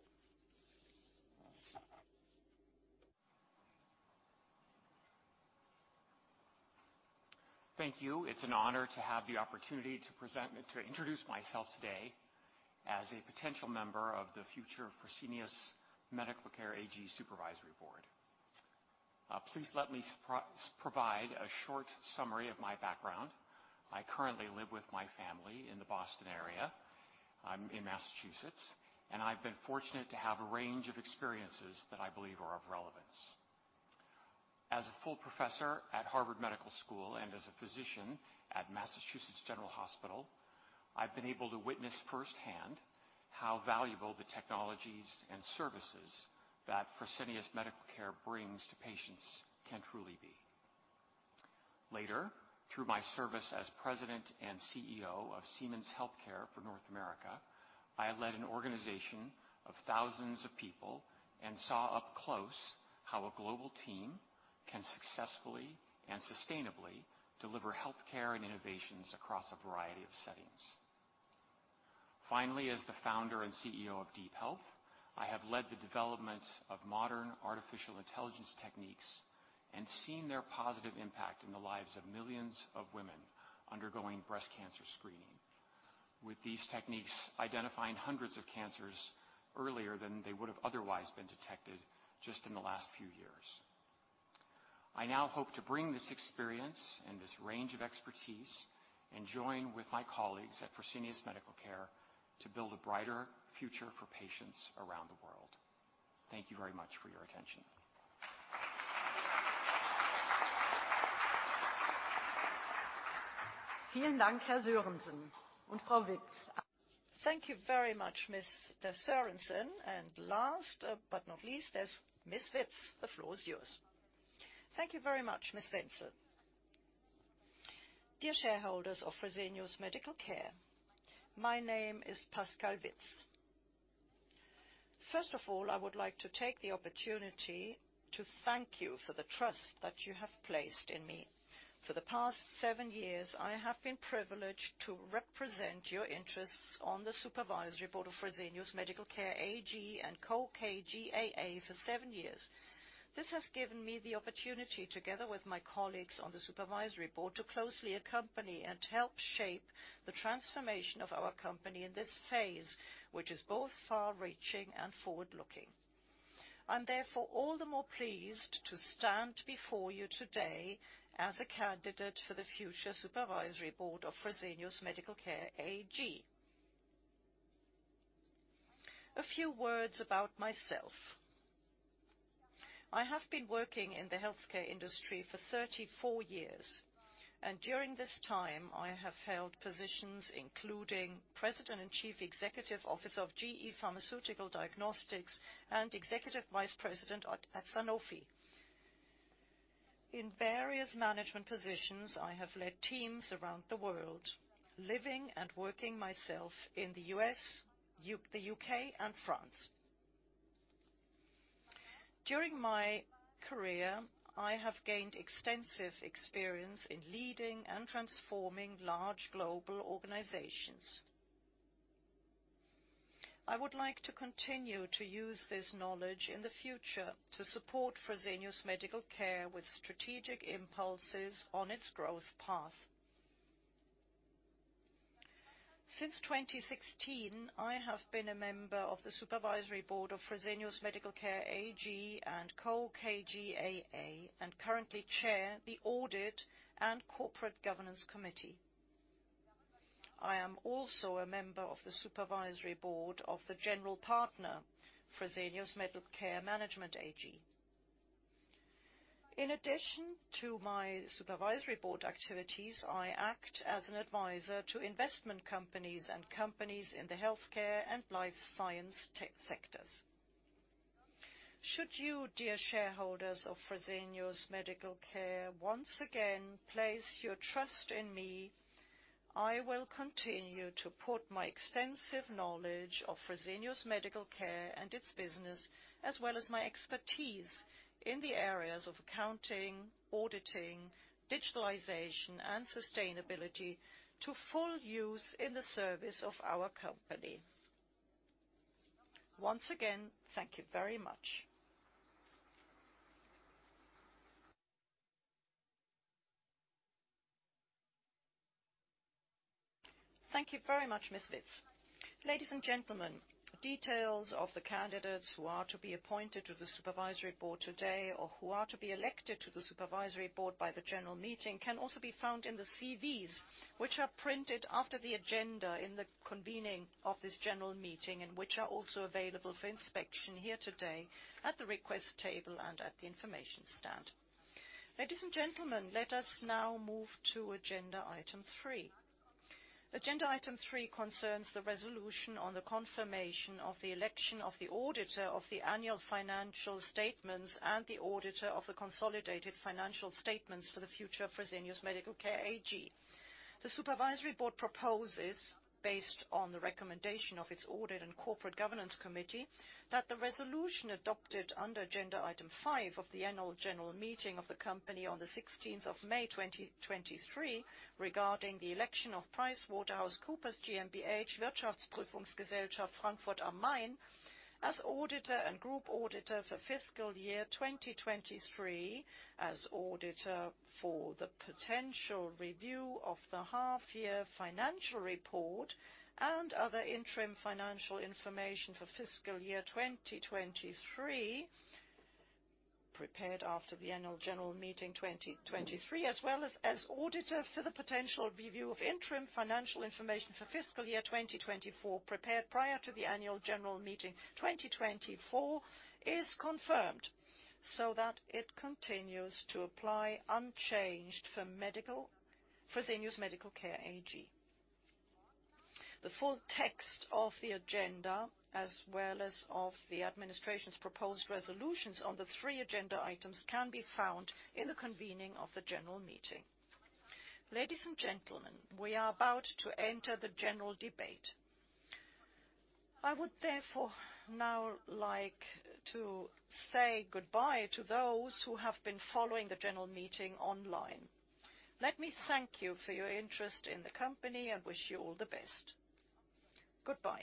Thank you. It's an honor to have the opportunity to introduce myself today as a potential member of the future Fresenius Medical Care AG Supervisory Board. Please let me provide a short summary of my background. I currently live with my family in the Boston area, in Massachusetts, and I've been fortunate to have a range of experiences that I believe are of relevance. As a full professor at Harvard Medical School and as a physician at Massachusetts General Hospital, I've been able to witness firsthand how valuable the technologies and services that Fresenius Medical Care brings to patients can truly be. Later, through my service as President and CEO of Siemens Healthcare for North America, I led an organization of thousands of people and saw up close how a global team can successfully and sustainably deliver healthcare and innovations across a variety of settings. As the founder and CEO of DeepHealth, I have led the development of modern artificial intelligence techniques and seen their positive impact in the lives of millions of women undergoing breast cancer screening, with these techniques identifying hundreds of cancers earlier than they would have otherwise been detected just in the last few years. I now hope to bring this experience and this range of expertise and join with my colleagues at Fresenius Medical Care to build a brighter future for patients around the world. Thank you very much for your attention. Thank you very much, Mr. Sorensen. Last but not least, there's Ms. Witz. The floor is yours. Thank you very much, Ms. Wenzel. Dear shareholders of Fresenius Medical Care, my name is Pascale Witz. First of all, I would like to take the opportunity to thank you for the trust that you have placed in me. For the past seven years, I have been privileged to represent your interests on the supervisory board of Fresenius Medical Care AG & Co KGaA for seven years. This has given me the opportunity, together with my colleagues on the supervisory board, to closely accompany and help shape the transformation of our company in this phase, which is both far-reaching and forward-looking. I'm therefore all the more pleased to stand before you today as a candidate for the future supervisory board of Fresenius Medical Care AG. A few words about myself. I have been working in the healthcare industry for 34 years. During this time, I have held positions including President and Chief Executive Officer of GE Pharmaceutical Diagnostics and Executive Vice President at Sanofi. In various management positions, I have led teams around the world, living and working myself in the U.S., the U.K., and France. During my career, I have gained extensive experience in leading and transforming large global organizations. I would like to continue to use this knowledge in the future to support Fresenius Medical Care with strategic impulses on its growth path. Since 2016, I have been a member of the supervisory board of Fresenius Medical Care AG & Co KGaA, and currently chair the Audit and Corporate Governance Committee. I am also a member of the supervisory board of the general partner, Fresenius Medical Care Management AG. In addition to my supervisory board activities, I act as an advisor to investment companies and companies in the healthcare and life science tech sectors. Should you, dear shareholders of Fresenius Medical Care, once again place your trust in me, I will continue to put my extensive knowledge of Fresenius Medical Care and its business, as well as my expertise in the areas of accounting, auditing, digitalization, and sustainability, to full use in the service of our company. Once again, thank you very much. Thank you very much, Ms. Witz. Ladies and gentlemen, details of the candidates who are to be appointed to the supervisory board today, or who are to be elected to the supervisory board by the general meeting, can also be found in the CVs, which are printed after the agenda in the convening of this general meeting, and which are also available for inspection here today at the request table and at the information stand. Ladies and gentlemen, let us now move to agenda item three. Agenda item three concerns the resolution on the confirmation of the election of the auditor of the annual financial statements and the auditor of the consolidated financial statements for the future of Fresenius Medical Care AG. The supervisory board proposes, based on the recommendation of its Audit and Corporate Governance Committee, that the resolution adopted under agenda item five of the annual general meeting of the company on the 16th of May, 2023, regarding the election of PricewaterhouseCoopers GmbH, Wirtschaftsprüfungsgesellschaft, Frankfurt am Main, as auditor and group auditor for fiscal year 2023, as auditor for the potential review of the half-year financial report and other interim financial information for fiscal year 2023, prepared after the annual general meeting 2023, as well as auditor for the potential review of interim financial information for fiscal year 2024, prepared prior to the annual general meeting 2024, is confirmed so that it continues to apply unchanged for Fresenius Medical Care AG. The full text of the agenda, as well as of the administration's proposed resolutions on the three agenda items, can be found in the convening of the general meeting. Ladies and gentlemen, we are about to enter the general debate. I would therefore now like to say goodbye to those who have been following the general meeting online. Let me thank you for your interest in the company and wish you all the best. Goodbye.